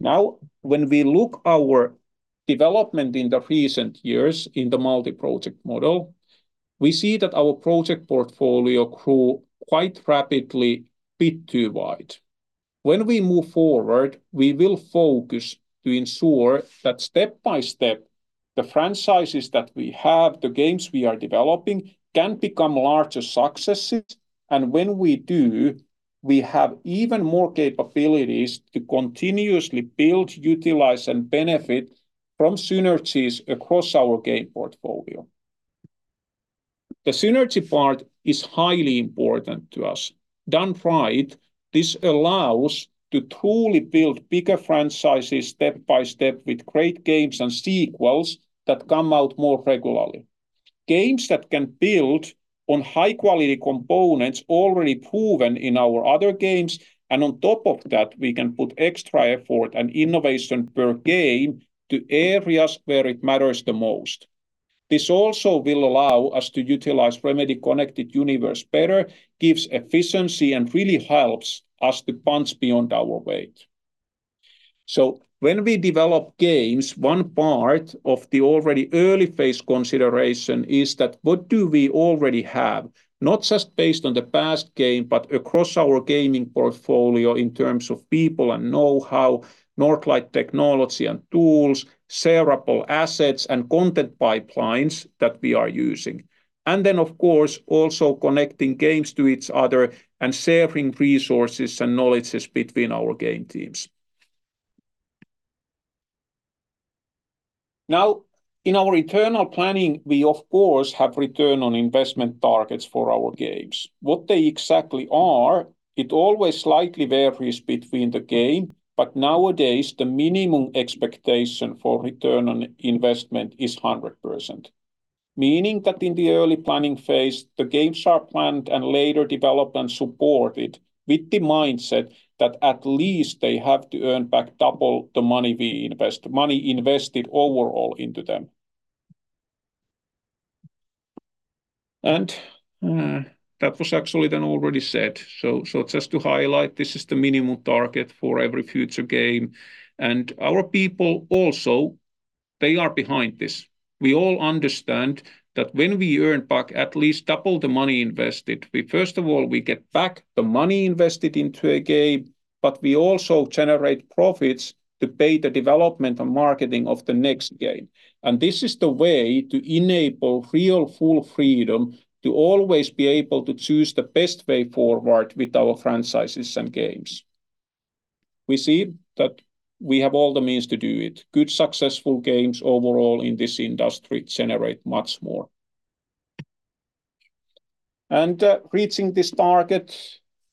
Now, when we look at our development in the recent years in the multi-project model, we see that our project portfolio grew quite rapidly bit too wide. When we move forward, we will focus to ensure that step by step the franchises that we have, the games we are developing, can become larger successes, and when we do, we have even more capabilities to continuously build, utilize, and benefit from synergies across our game portfolio. The synergy part is highly important to us. Done right, this allows us to truly build bigger franchises step by step with great games and sequels that come out more regularly. Games that can build on high-quality components already proven in our other games, and on top of that, we can put extra effort and innovation per game to areas where it matters the most. This also will allow us to utilize Remedy's Connected Universe better, gives efficiency, and really helps us to punch beyond our weight. So when we develop games, one part of the already early-phase consideration is that what do we already have, not just based on the past game but across our gaming portfolio in terms of people and know-how, Northlight technology and tools, shareable assets, and content pipelines that we are using. And then, of course, also connecting games to each other and sharing resources and knowledge between our game teams. Now, in our internal planning, we, of course, have return on investment targets for our games. What they exactly are, it always slightly varies between the games, but nowadays the minimum expectation for return on investment is 100%, meaning that in the early planning phase, the games are planned and later developed and supported with the mindset that at least they have to earn back double the money we invested overall into them. That was actually then already said. Just to highlight, this is the minimum target for every future game. Our people also, they are behind this. We all understand that when we earn back at least double the money invested, first of all, we get back the money invested into a game, but we also generate profits to pay the development and marketing of the next game. This is the way to enable real full freedom to always be able to choose the best way forward with our franchises and games. We see that we have all the means to do it. Good, successful games overall in this industry generate much more. Reaching this target,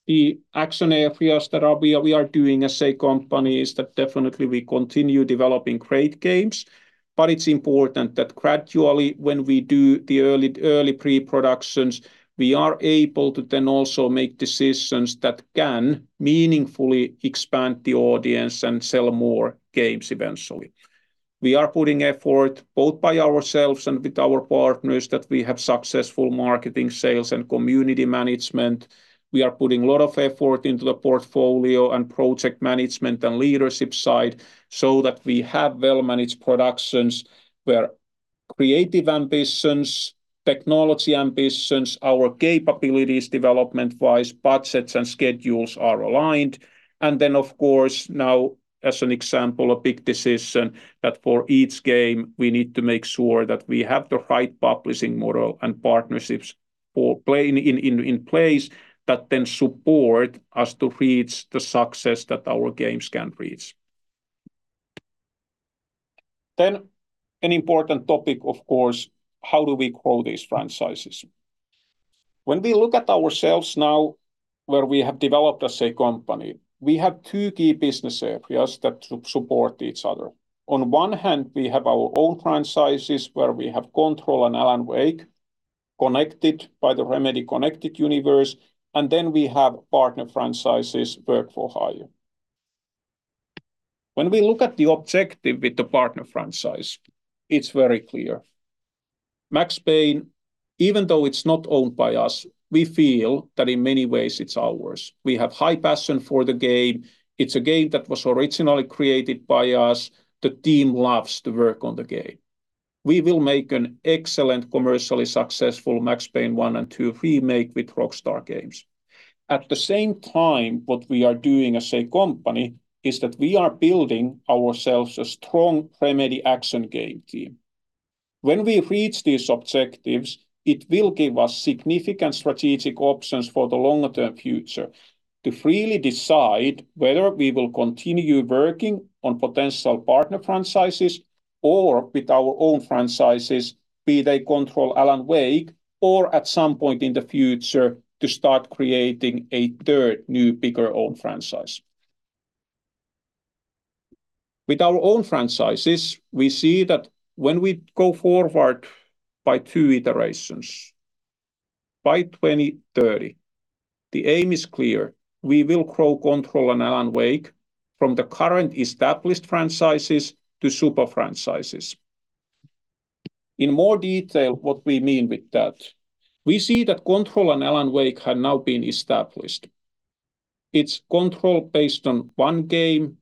the action areas that we are doing as a company is that definitely we continue developing great games, but it's important that gradually, when we do the early pre-productions, we are able to then also make decisions that can meaningfully expand the audience and sell more games eventually. We are putting effort both by ourselves and with our partners that we have successful marketing, sales, and community management. We are putting a lot of effort into the portfolio and project management and leadership side so that we have well-managed productions where creative ambitions, technology ambitions, our capabilities development-wise, budgets, and schedules are aligned. Then, of course, now as an example, a big decision that for each game we need to make sure that we have the right publishing model and partnerships all playing in place that then support us to reach the success that our games can reach. Then an important topic, of course, how do we grow these franchises? When we look at ourselves now where we have developed as a company, we have two key business areas that support each other. On one hand, we have our own franchises where we have Control and Alan Wake connected by the Remedy Connected Universe, and then we have partner franchises work for hire. When we look at the objective with the partner franchise, it's very clear: Max Payne, even though it's not owned by us, we feel that in many ways it's ours. We have high passion for the game. It's a game that was originally created by us. The team loves to work on the game. We will make an excellent, commercially successful Max Payne 1 and 2 remake with Rockstar Games. At the same time, what we are doing as a company is that we are building ourselves a strong Remedy action game team. When we reach these objectives, it will give us significant strategic options for the longer-term future to freely decide whether we will continue working on potential partner franchises or with our own franchises, be they Control, Alan Wake, or at some point in the future to start creating a third new bigger owned franchise. With our own franchises, we see that when we go forward by two iterations, by 2030, the aim is clear: we will grow Control and Alan Wake from the current established franchises to super franchises. In more detail, what we mean with that: we see that Control and Alan Wake have now been established. It's Control based on one game,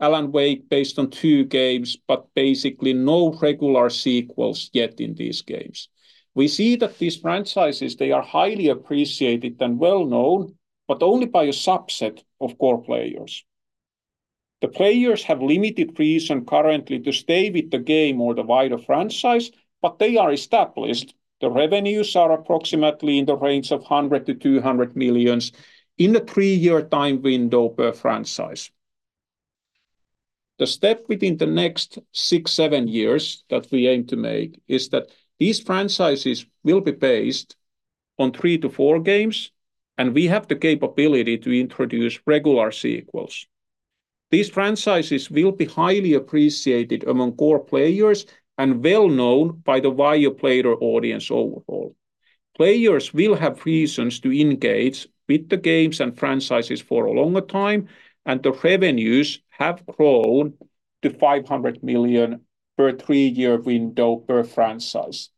Alan Wake based on two games, but basically no regular sequels yet in these games. We see that these franchises, they are highly appreciated and well-known, but only by a subset of core players. The players have limited reason currently to stay with the game or the wider franchise, but they are established. The revenues are approximately in the range of 100 million-200 million in a three-year time window per franchise. The step within the next six-seven years that we aim to make is that these franchises will be based on three-four games, and we have the capability to introduce regular sequels. These franchises will be highly appreciated among core players and well-known by the wider player audience overall. Players will have reasons to engage with the games and franchises for a longer time, and the revenues have grown to 500 million per three-year window per franchise.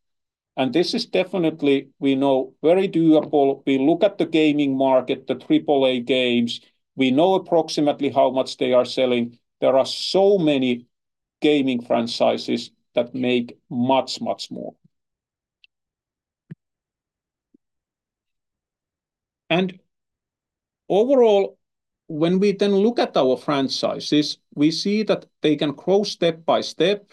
This is definitely, we know, very doable. We look at the gaming market, the AAA games, we know approximately how much they are selling. There are so many gaming franchises that make much, much more. Overall, when we then look at our franchises, we see that they can grow step by step.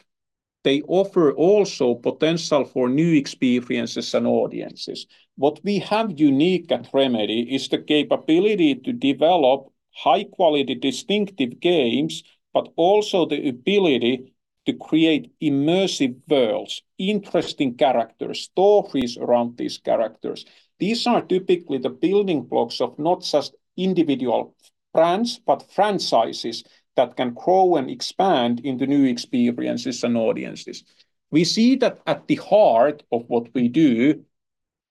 They offer also potential for new experiences and audiences. What we have unique at Remedy is the capability to develop high-quality, distinctive games, but also the ability to create immersive worlds, interesting character stories, around these characters. These are typically the building blocks of not just individual brands but franchises that can grow and expand into new experiences and audiences. We see that at the heart of what we do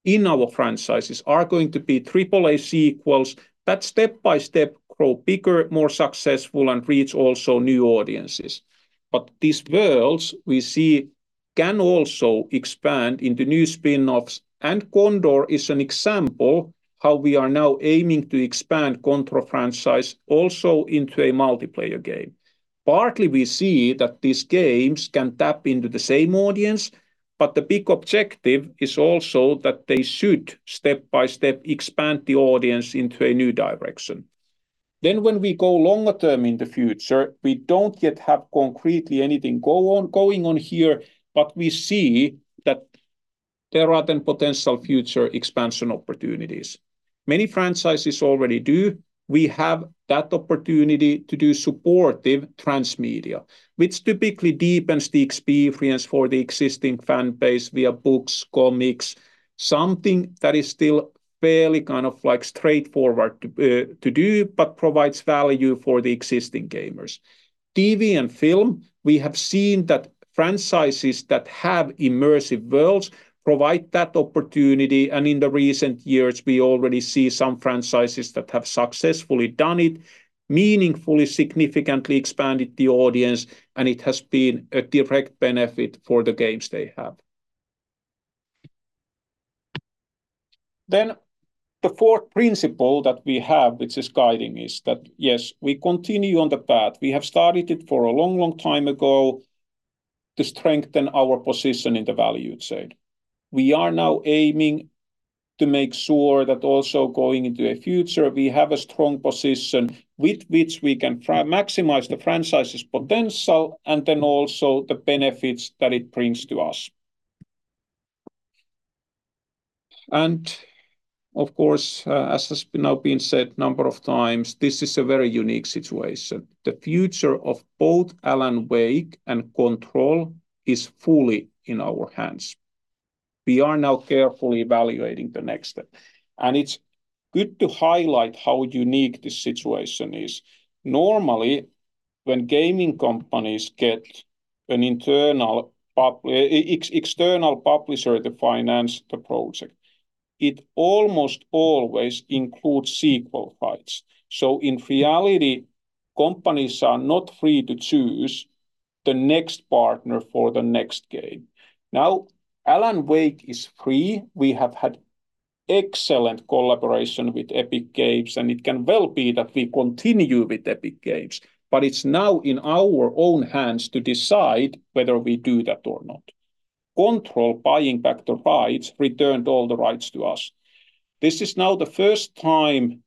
in our franchises are going to be AAA sequels that step by step grow bigger, more successful, and reach also new audiences. But these worlds we see can also expand into new spin-offs, and Condor is an example of how we are now aiming to expand Control franchise also into a multiplayer game. Partly, we see that these games can tap into the same audience, but the big objective is also that they should step by step expand the audience into a new direction. Then, when we go longer-term in the future, we don't yet have concretely anything going on here, but we see that there are then potential future expansion opportunities. Many franchises already do. We have that opportunity to do supportive transmedia, which typically deepens the experience for the existing fanbase via books, comics, something that is still fairly kind of like straightforward to do but provides value for the existing gamers. TV and film: we have seen that franchises that have immersive worlds provide that opportunity, and in the recent years, we already see some franchises that have successfully done it, meaningfully, significantly expanded the audience, and it has been a direct benefit for the games they have. Then the fourth principle that we have, which is guiding, is that yes, we continue on the path. We have started it for a long, long time ago to strengthen our position in the value chain. We are now aiming to make sure that also going into the future, we have a strong position with which we can maximize the franchise's potential and then also the benefits that it brings to us. Of course, as has now been said a number of times, this is a very unique situation. The future of both Alan Wake and Control is fully in our hands. We are now carefully evaluating the next step. It's good to highlight how unique this situation is. Normally, when gaming companies get an external publisher to finance the project, it almost always includes sequel rights. In reality, companies are not free to choose the next partner for the next game. Now, Alan Wake is free. We have had excellent collaboration with Epic Games, and it can well be that we continue with Epic Games, but it's now in our own hands to decide whether we do that or not. Control, buying back the rights, returned all the rights to us. This is now the first time,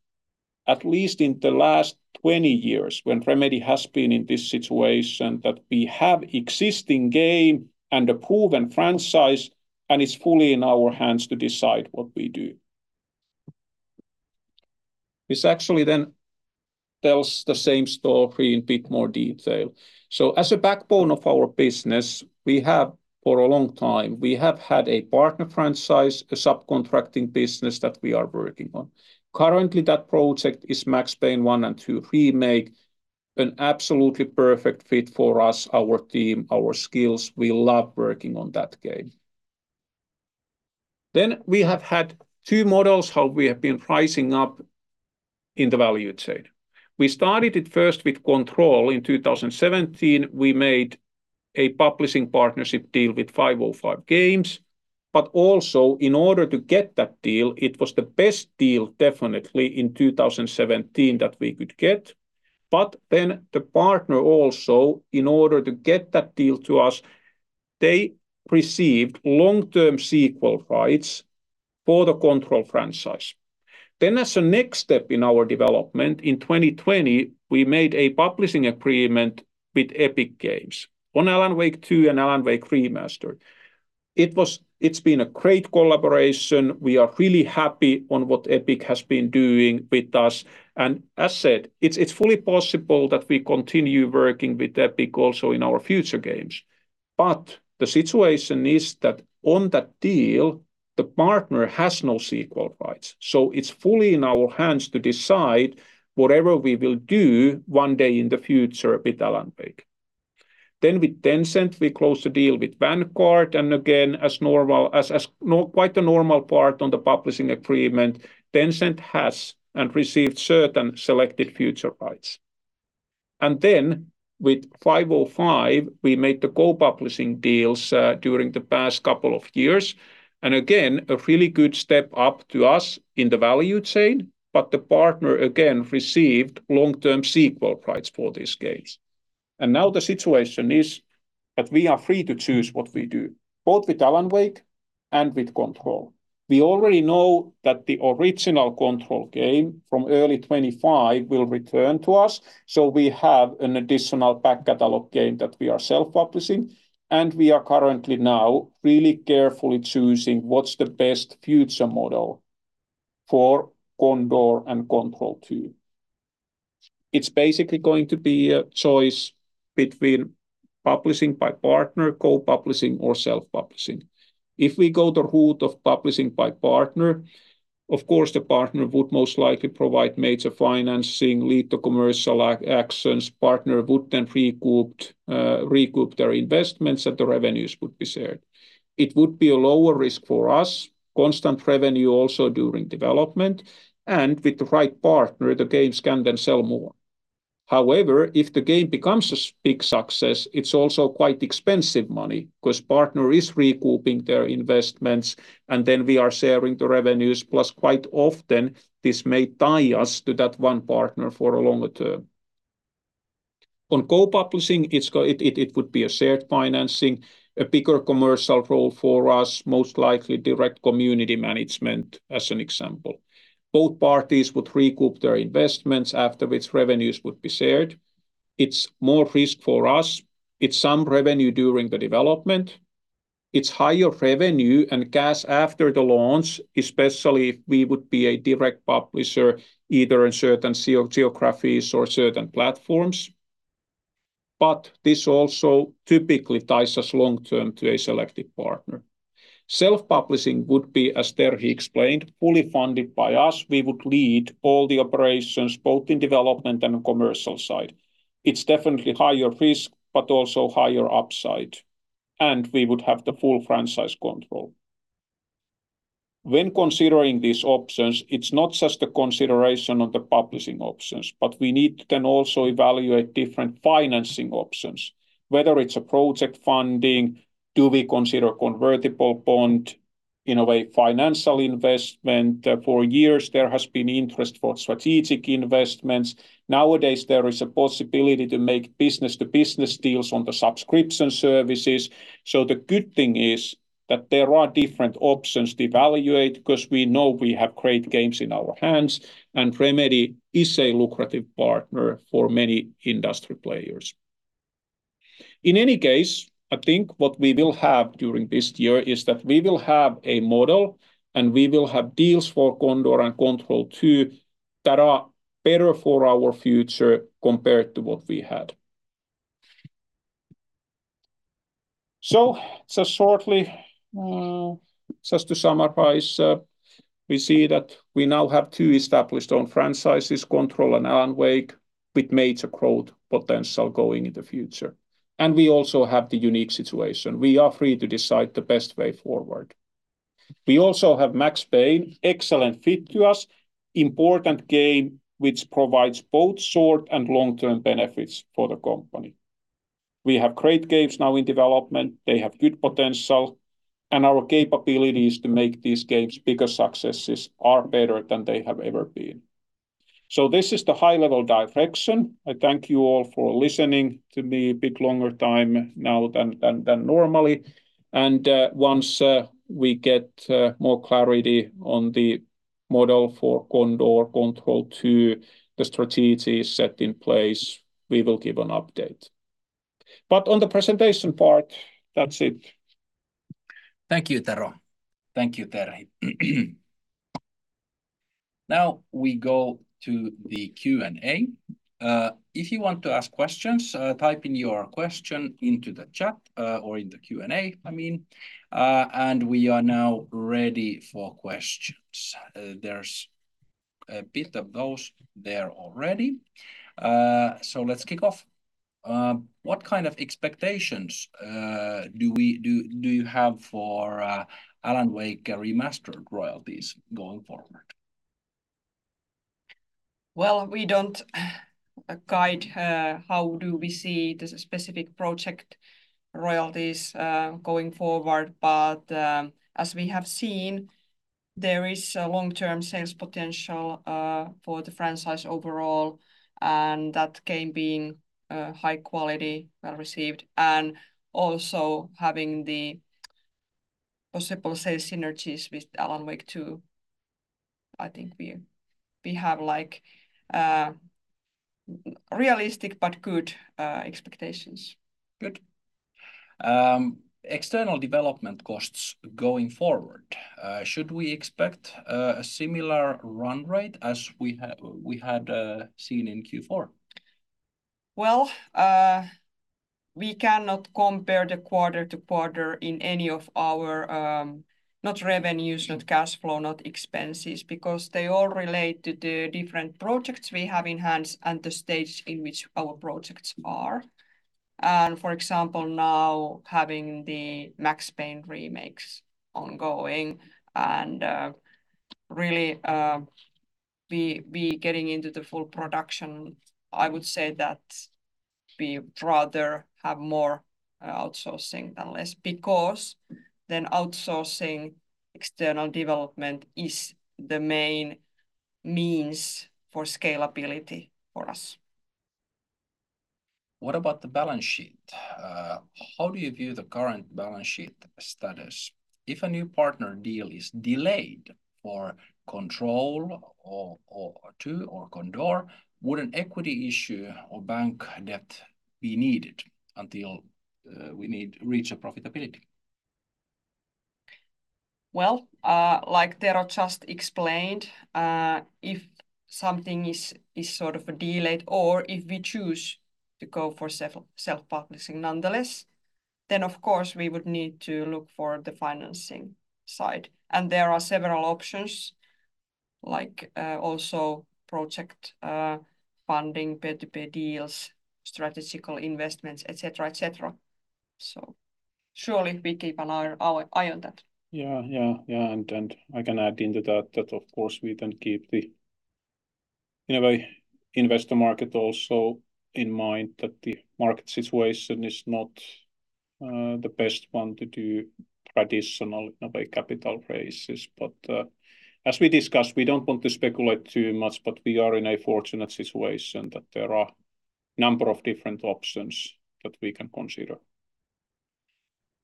at least in the last 20 years when Remedy has been in this situation, that we have an existing game and a proven franchise, and it's fully in our hands to decide what we do. This actually then tells the same story in a bit more detail. So as a backbone of our business, we have for a long time had a partner franchise, a subcontracting business that we are working on. Currently, that project is Max Payne 1 and 2 Remake, an absolutely perfect fit for us, our team, our skills. We love working on that game. Then we have had two models how we have been rising up in the value chain. We started it first with Control. In 2017, we made a publishing partnership deal with 505 Games, but also in order to get that deal, it was the best deal definitely in 2017 that we could get. But then the partner also, in order to get that deal to us, they received long-term sequel rights for the Control franchise. Then, as a next step in our development, in 2020, we made a publishing agreement with Epic Games on Alan Wake 2 and Alan Wake Remastered. It's been a great collaboration. We are really happy with what Epic has been doing with us. And as said, it's fully possible that we continue working with Epic also in our future games. But the situation is that on that deal, the partner has no sequel rights, so it's fully in our hands to decide whatever we will do one day in the future with Alan Wake. Then with Tencent, we closed the deal with Vanguard, and again, as normal, as quite the normal part on the publishing agreement, Tencent has and received certain selected future rights. And then with 505, we made the co-publishing deals during the past couple of years, and again, a really good step up to us in the value chain, but the partner again received long-term sequel rights for these games. And now the situation is that we are free to choose what we do, both with Alan Wake and with Control. We already know that the original Control game from early 2025 will return to us, so we have an additional back catalog game that we are self-publishing, and we are currently now really carefully choosing what's the best future model for Condor and Control 2. It's basically going to be a choice between publishing by partner, co-publishing, or self-publishing. If we go the route of publishing by partner, of course, the partner would most likely provide major financing, lead the commercial actions, the partner would then recoup their investments, and the revenues would be shared. It would be a lower risk for us, constant revenue also during development, and with the right partner, the games can then sell more. However, if the game becomes a big success, it's also quite expensive money because the partner is recouping their investments, and then we are sharing the revenues, plus quite often this may tie us to that one partner for a longer term. On co-publishing, it would be a shared financing, a bigger commercial role for us, most likely direct community management as an example. Both parties would recoup their investments, after which revenues would be shared. It's more risk for us. It's some revenue during the development. It's higher revenue and cash after the launch, especially if we would be a direct publisher either in certain geographies or certain platforms. But this also typically ties us long-term to a selected partner. Self-publishing would be, as Terhi explained, fully funded by us. We would lead all the operations, both in development and commercial side. It's definitely higher risk but also higher upside, and we would have the full franchise control. When considering these options, it's not just the consideration of the publishing options, but we need to then also evaluate different financing options, whether it's project funding, do we consider convertible bond in a way, financial investment. For years, there has been interest for strategic investments. Nowadays, there is a possibility to make business-to-business deals on the subscription services. So the good thing is that there are different options to evaluate because we know we have great games in our hands, and Remedy is a lucrative partner for many industry players. In any case, I think what we will have during this year is that we will have a model, and we will have deals for Condor and Control 2 that are better for our future compared to what we had. So just shortly, just to summarize, we see that we now have two established owned franchises, Control and Alan Wake, with major growth potential going in the future. And we also have the unique situation: we are free to decide the best way forward. We also have Max Payne, an excellent fit to us, an important game which provides both short and long-term benefits for the company. We have great games now in development. They have good potential, and our capabilities to make these games bigger successes are better than they have ever been. So this is the high-level direction. I thank you all for listening to me a bit longer time now than normally, and once we get more clarity on the model for Condor, Control 2, the strategy is set in place. We will give an update. But on the presentation part, that's it. Thank you, Tero. Thank you, Terhi. Now we go to the Q&A. If you want to ask questions, type in your question into the chat or in the Q&A, I mean. We are now ready for questions. There's a bit of those there already. Let's kick off. What kind of expectations do you have for Alan Wake Remastered royalties going forward? Well, we don't guide how we see the specific project royalties going forward, but as we have seen, there is a long-term sales potential for the franchise overall, and that game being high quality, well received, and also having the possible sales synergies with Alan Wake 2. I think we have realistic but good expectations. Good. External development costs going forward: should we expect a similar run rate as we had seen in Q4? Well, we cannot compare quarter-to-quarter in any of our net revenues, not cash flow, not expenses because they all relate to the different projects we have in hand and the stage in which our projects are. For example, now having the Max Payne remakes ongoing and really getting into the full production, I would say that we'd rather have more outsourcing than less because then outsourcing external development is the main means for scalability for us. What about the balance sheet? How do you view the current balance sheet status? If a new partner deal is delayed for Control 2 or Condor, would an equity issue or bank debt be needed until we reach profitability? Well, like Tero just explained, if something is sort of delayed or if we choose to go for self-publishing nonetheless, then of course we would need to look for the financing side. And there are several options, like also project funding, peer-to-peer deals, strategic investments, etc., etc. So surely we keep an eye on that. Yeah, yeah, yeah. And I can add into that that of course we then keep the, in a way, investor market also in mind that the market situation is not the best one to do traditional, in a way, capital raises. But as we discussed, we don't want to speculate too much, but we are in a fortunate situation that there are a number of different options that we can consider.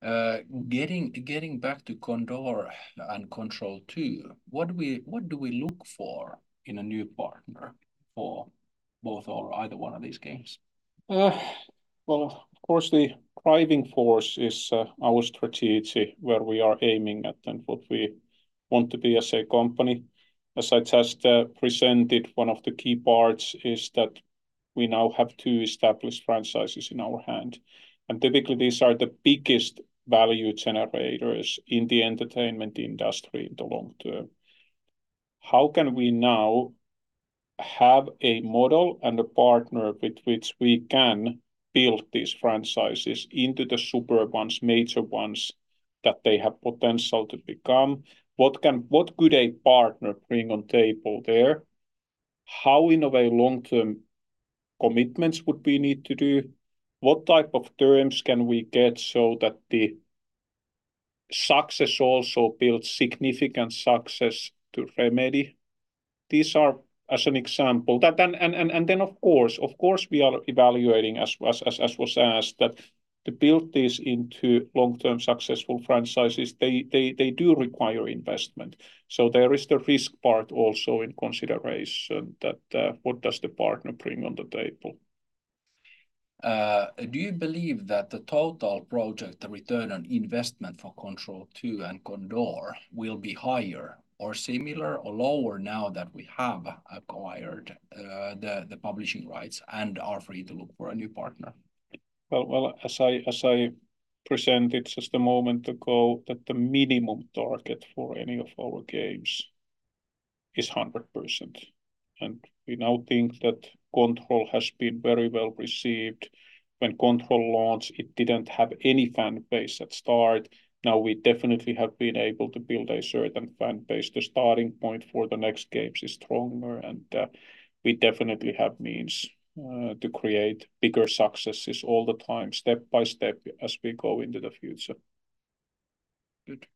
Getting back to Condor and Control 2, what do we look for in a new partner for both or either one of these games? Well, of course, the driving force is our strategy where we are aiming at and what we want to be as a company. As I just presented, one of the key parts is that we now have two established franchises in our hand. Typically, these are the biggest value generators in the entertainment industry in the long term. How can we now have a model and a partner with which we can build these franchises into the super ones, major ones that they have potential to become? What could a partner bring on the table there? How, in a way, long-term commitments would we need to do? What type of terms can we get so that the success also builds significant success to Remedy? These are, as an example. And then, of course, of course, we are evaluating, as was asked, that to build these into long-term successful franchises, they do require investment. So there is the risk part also in consideration that what does the partner bring on the table? Do you believe that the total project return on investment for Control 2 and Condor will be higher or similar or lower now that we have acquired the publishing rights and are free to look for a new partner? Well, as I presented just a moment ago, that the minimum target for any of our games is 100%. And we now think that Control has been very well received. When Control launched, it didn't have any fanbase at the start. Now we definitely have been able to build a certain fanbase. The starting point for the next games is stronger, and we definitely have means to create bigger successes all the time, step by step, as we go into the future. Good.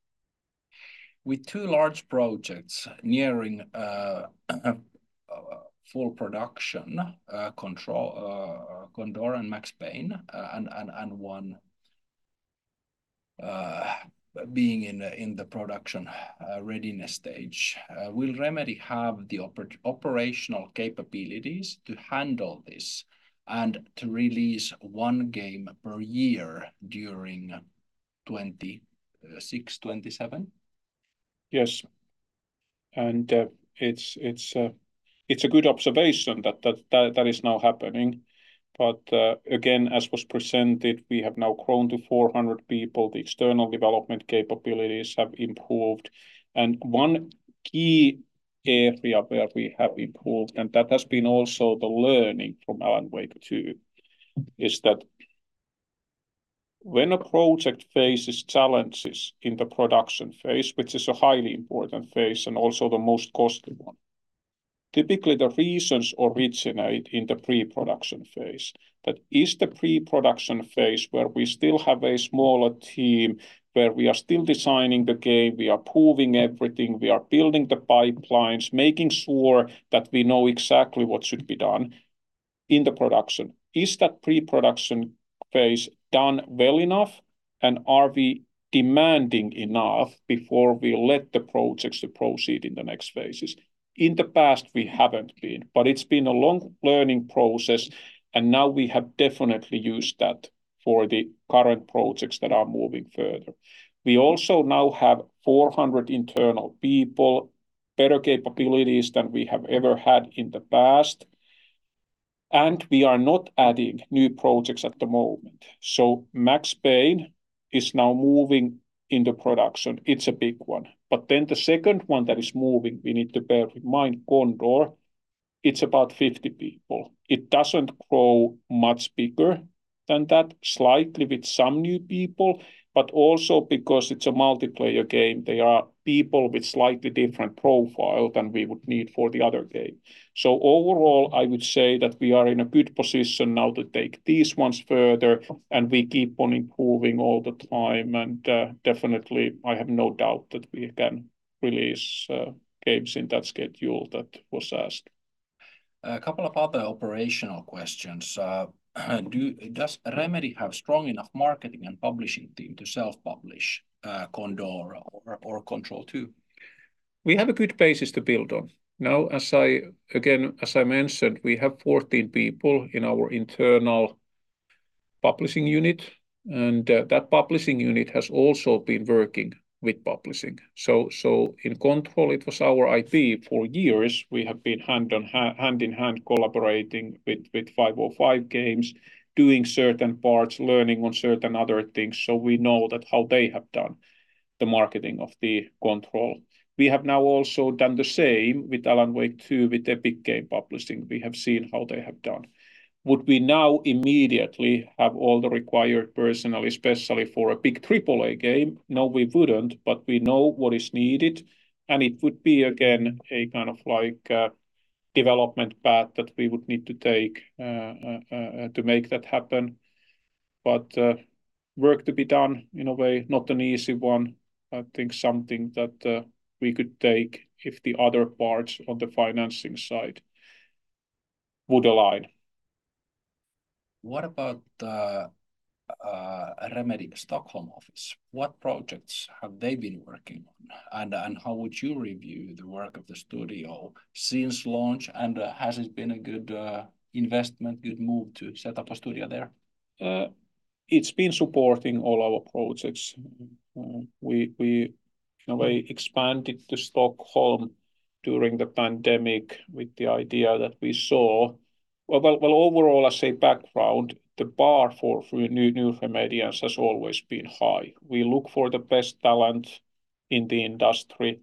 With two large projects nearing full production, Control, Condor, and Max Payne, and one being in the production readiness stage, will Remedy have the operational capabilities to handle this and to release one game per year during 2026-2027? Yes. And it's a good observation that that is now happening. But again, as was presented, we have now grown to 400 people. The external development capabilities have improved. And one key area where we have improved, and that has been also the learning from Alan Wake 2, is that when a project faces challenges in the production phase, which is a highly important phase and also the most costly one, typically the reasons originate in the pre-production phase. That is the pre-production phase where we still have a smaller team, where we are still designing the game, we are proving everything, we are building the pipelines, making sure that we know exactly what should be done in the production. Is that pre-production phase done well enough, and are we demanding enough before we let the projects proceed in the next phases? In the past, we haven't been, but it's been a long learning process, and now we have definitely used that for the current projects that are moving further. We also now have 400 internal people, better capabilities than we have ever had in the past, and we are not adding new projects at the moment. So Max Payne is now moving into production. It's a big one. But then the second one that is moving, we need to bear in mind, Condor, it's about 50 people. It doesn't grow much bigger than that, slightly with some new people, but also because it's a multiplayer game, there are people with slightly different profiles than we would need for the other game. So overall, I would say that we are in a good position now to take these ones further, and we keep on improving all the time. And definitely, I have no doubt that we can release games in that schedule that was asked. A couple of other operational questions. Does Remedy have a strong enough marketing and publishing team to self-publish Condor or Control 2? We have a good basis to build on. Now, again, as I mentioned, we have 14 people in our internal publishing unit, and that publishing unit has also been working with publishing. So in Control, it was our IP. For years, we have been hand in hand collaborating with 505 Games, doing certain parts, learning on certain other things, so we know how they have done the marketing of Control. We have now also done the same with Alan Wake 2 with Epic Games Publishing. We have seen how they have done. Would we now immediately have all the required personnel, especially for a big AAA game? No, we wouldn't, but we know what is needed, and it would be, again, a kind of like a development path that we would need to take to make that happen. But work to be done, in a way, not an easy one. I think something that we could take if the other parts on the financing side would align. What about Remedy Stockholm office? What projects have they been working on, and how would you review the work of the studio since launch? And has it been a good investment, good move to set up a studio there? It's been supporting all our projects. We, in a way, expanded to Stockholm during the pandemic with the idea that we saw, well, overall, I say background, the bar for new Remedians has always been high. We look for the best talent in the industry.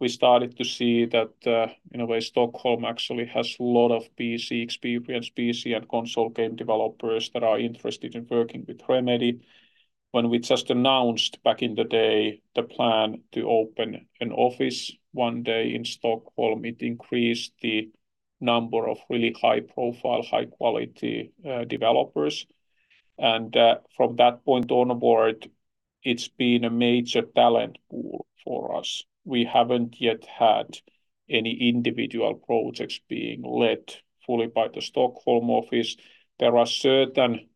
We started to see that, in a way, Stockholm actually has a lot of PC experience, PC and console game developers that are interested in working with Remedy. When we just announced back in the day the plan to open an office one day in Stockholm, it increased the number of really high-profile, high-quality developers. And from that point onward, it's been a major talent pool for us. We haven't yet had any individual projects being led fully by the Stockholm office. There are certain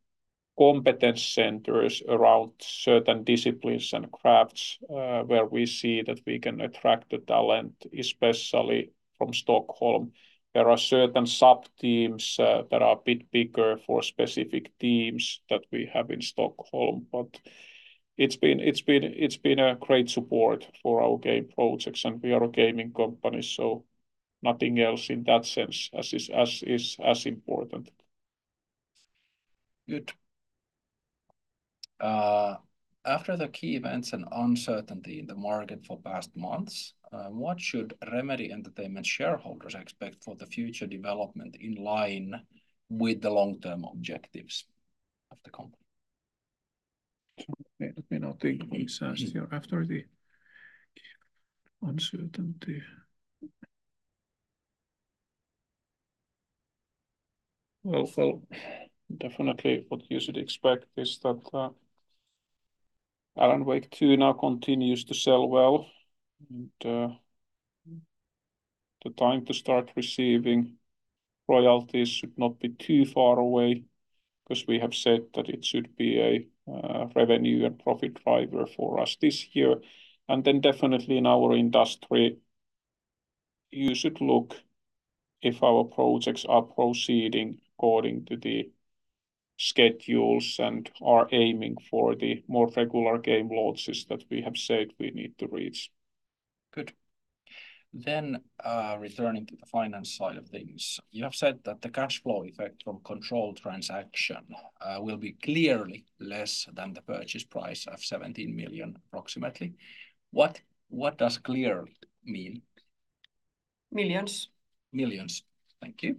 competence centers around certain disciplines and crafts where we see that we can attract the talent, especially from Stockholm. There are certain subteams that are a bit bigger for specific teams that we have in Stockholm, but it's been a great support for our game projects, and we are a gaming company, so nothing else in that sense as is important. Good. After the key events and uncertainty in the market for past months, what should Remedy Entertainment shareholders expect for the future development in line with the long-term objectives of the company? Let me now think what is asked here after the uncertainty. Well, definitely what you should expect is that Alan Wake 2 now continues to sell well, and the time to start receiving royalties should not be too far away because we have said that it should be a revenue and profit driver for us this year. And then definitely in our industry, you should look if our projects are proceeding according to the schedules and are aiming for the more regular game launches that we have said we need to reach. Good. Then returning to the finance side of things, you have said that the cash flow effect from Control transaction will be clearly less than the purchase price of 17 million approximately. What does clearly mean? Millions. Millions. Thank you.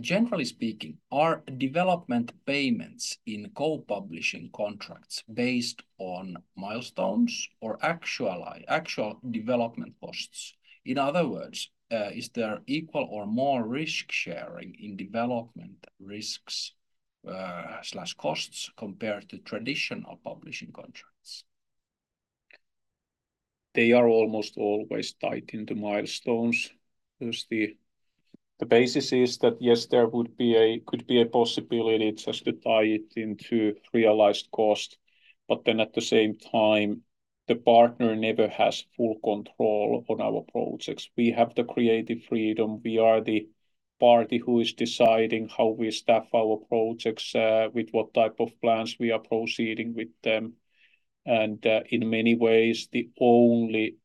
Generally speaking, are development payments in co-publishing contracts based on milestones or actual development costs? In other words, is there equal or more risk sharing in development risks/costs compared to traditional publishing contracts? They are almost always tied into milestones. The basis is that, yes, there could be a possibility just to tie it into realized cost, but then at the same time, the partner never has full control on our projects. We have the creative freedom. We are the party who is deciding how we staff our projects, with what type of plans we are proceeding with them. And in many ways, the only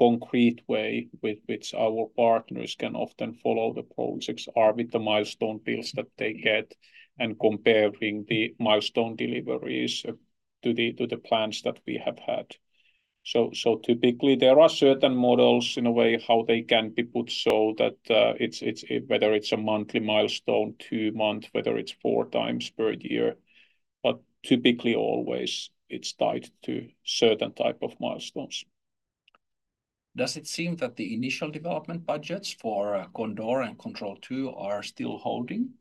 concrete way with which our partners can often follow the projects are with the milestone bills that they get and comparing the milestone deliveries to the plans that we have had. So typically, there are certain models, in a way, how they can be put so that it's whether it's a monthly milestone, two-month, whether it's four times per year. But typically, always, it's tied to certain type of milestones. Does it seem that the initial development budgets for Condor and Control 2 are still holding?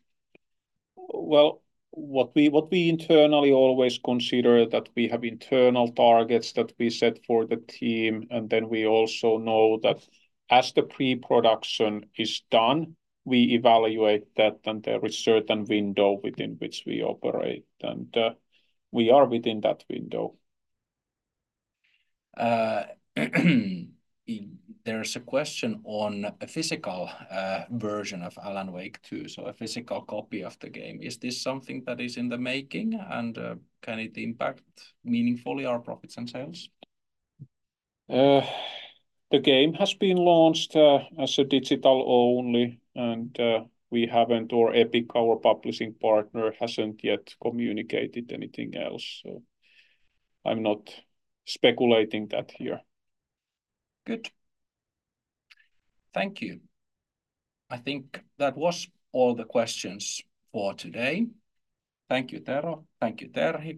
Well, what we internally always consider, that we have internal targets that we set for the team, and then we also know that as the pre-production is done, we evaluate that, and there is a certain window within which we operate, and we are within that window. There's a question on a physical version of Alan Wake 2, so a physical copy of the game. Is this something that is in the making, and can it impact meaningfully our profits and sales? The game has been launched as a digital only, and we haven't, or Epic, our publishing partner, hasn't yet communicated anything else. So I'm not speculating that here. Good. Thank you. I think that was all the questions for today. Thank you, Tero. Thank you, Terhi.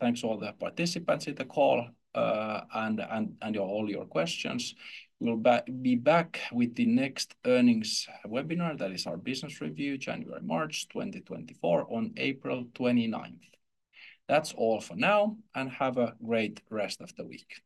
Thanks to all the participants in the call and all your questions. We'll be back with the next earnings webinar. That is our business review, January-March 2024, on April 29th. That's all for now, and have a great rest of the week.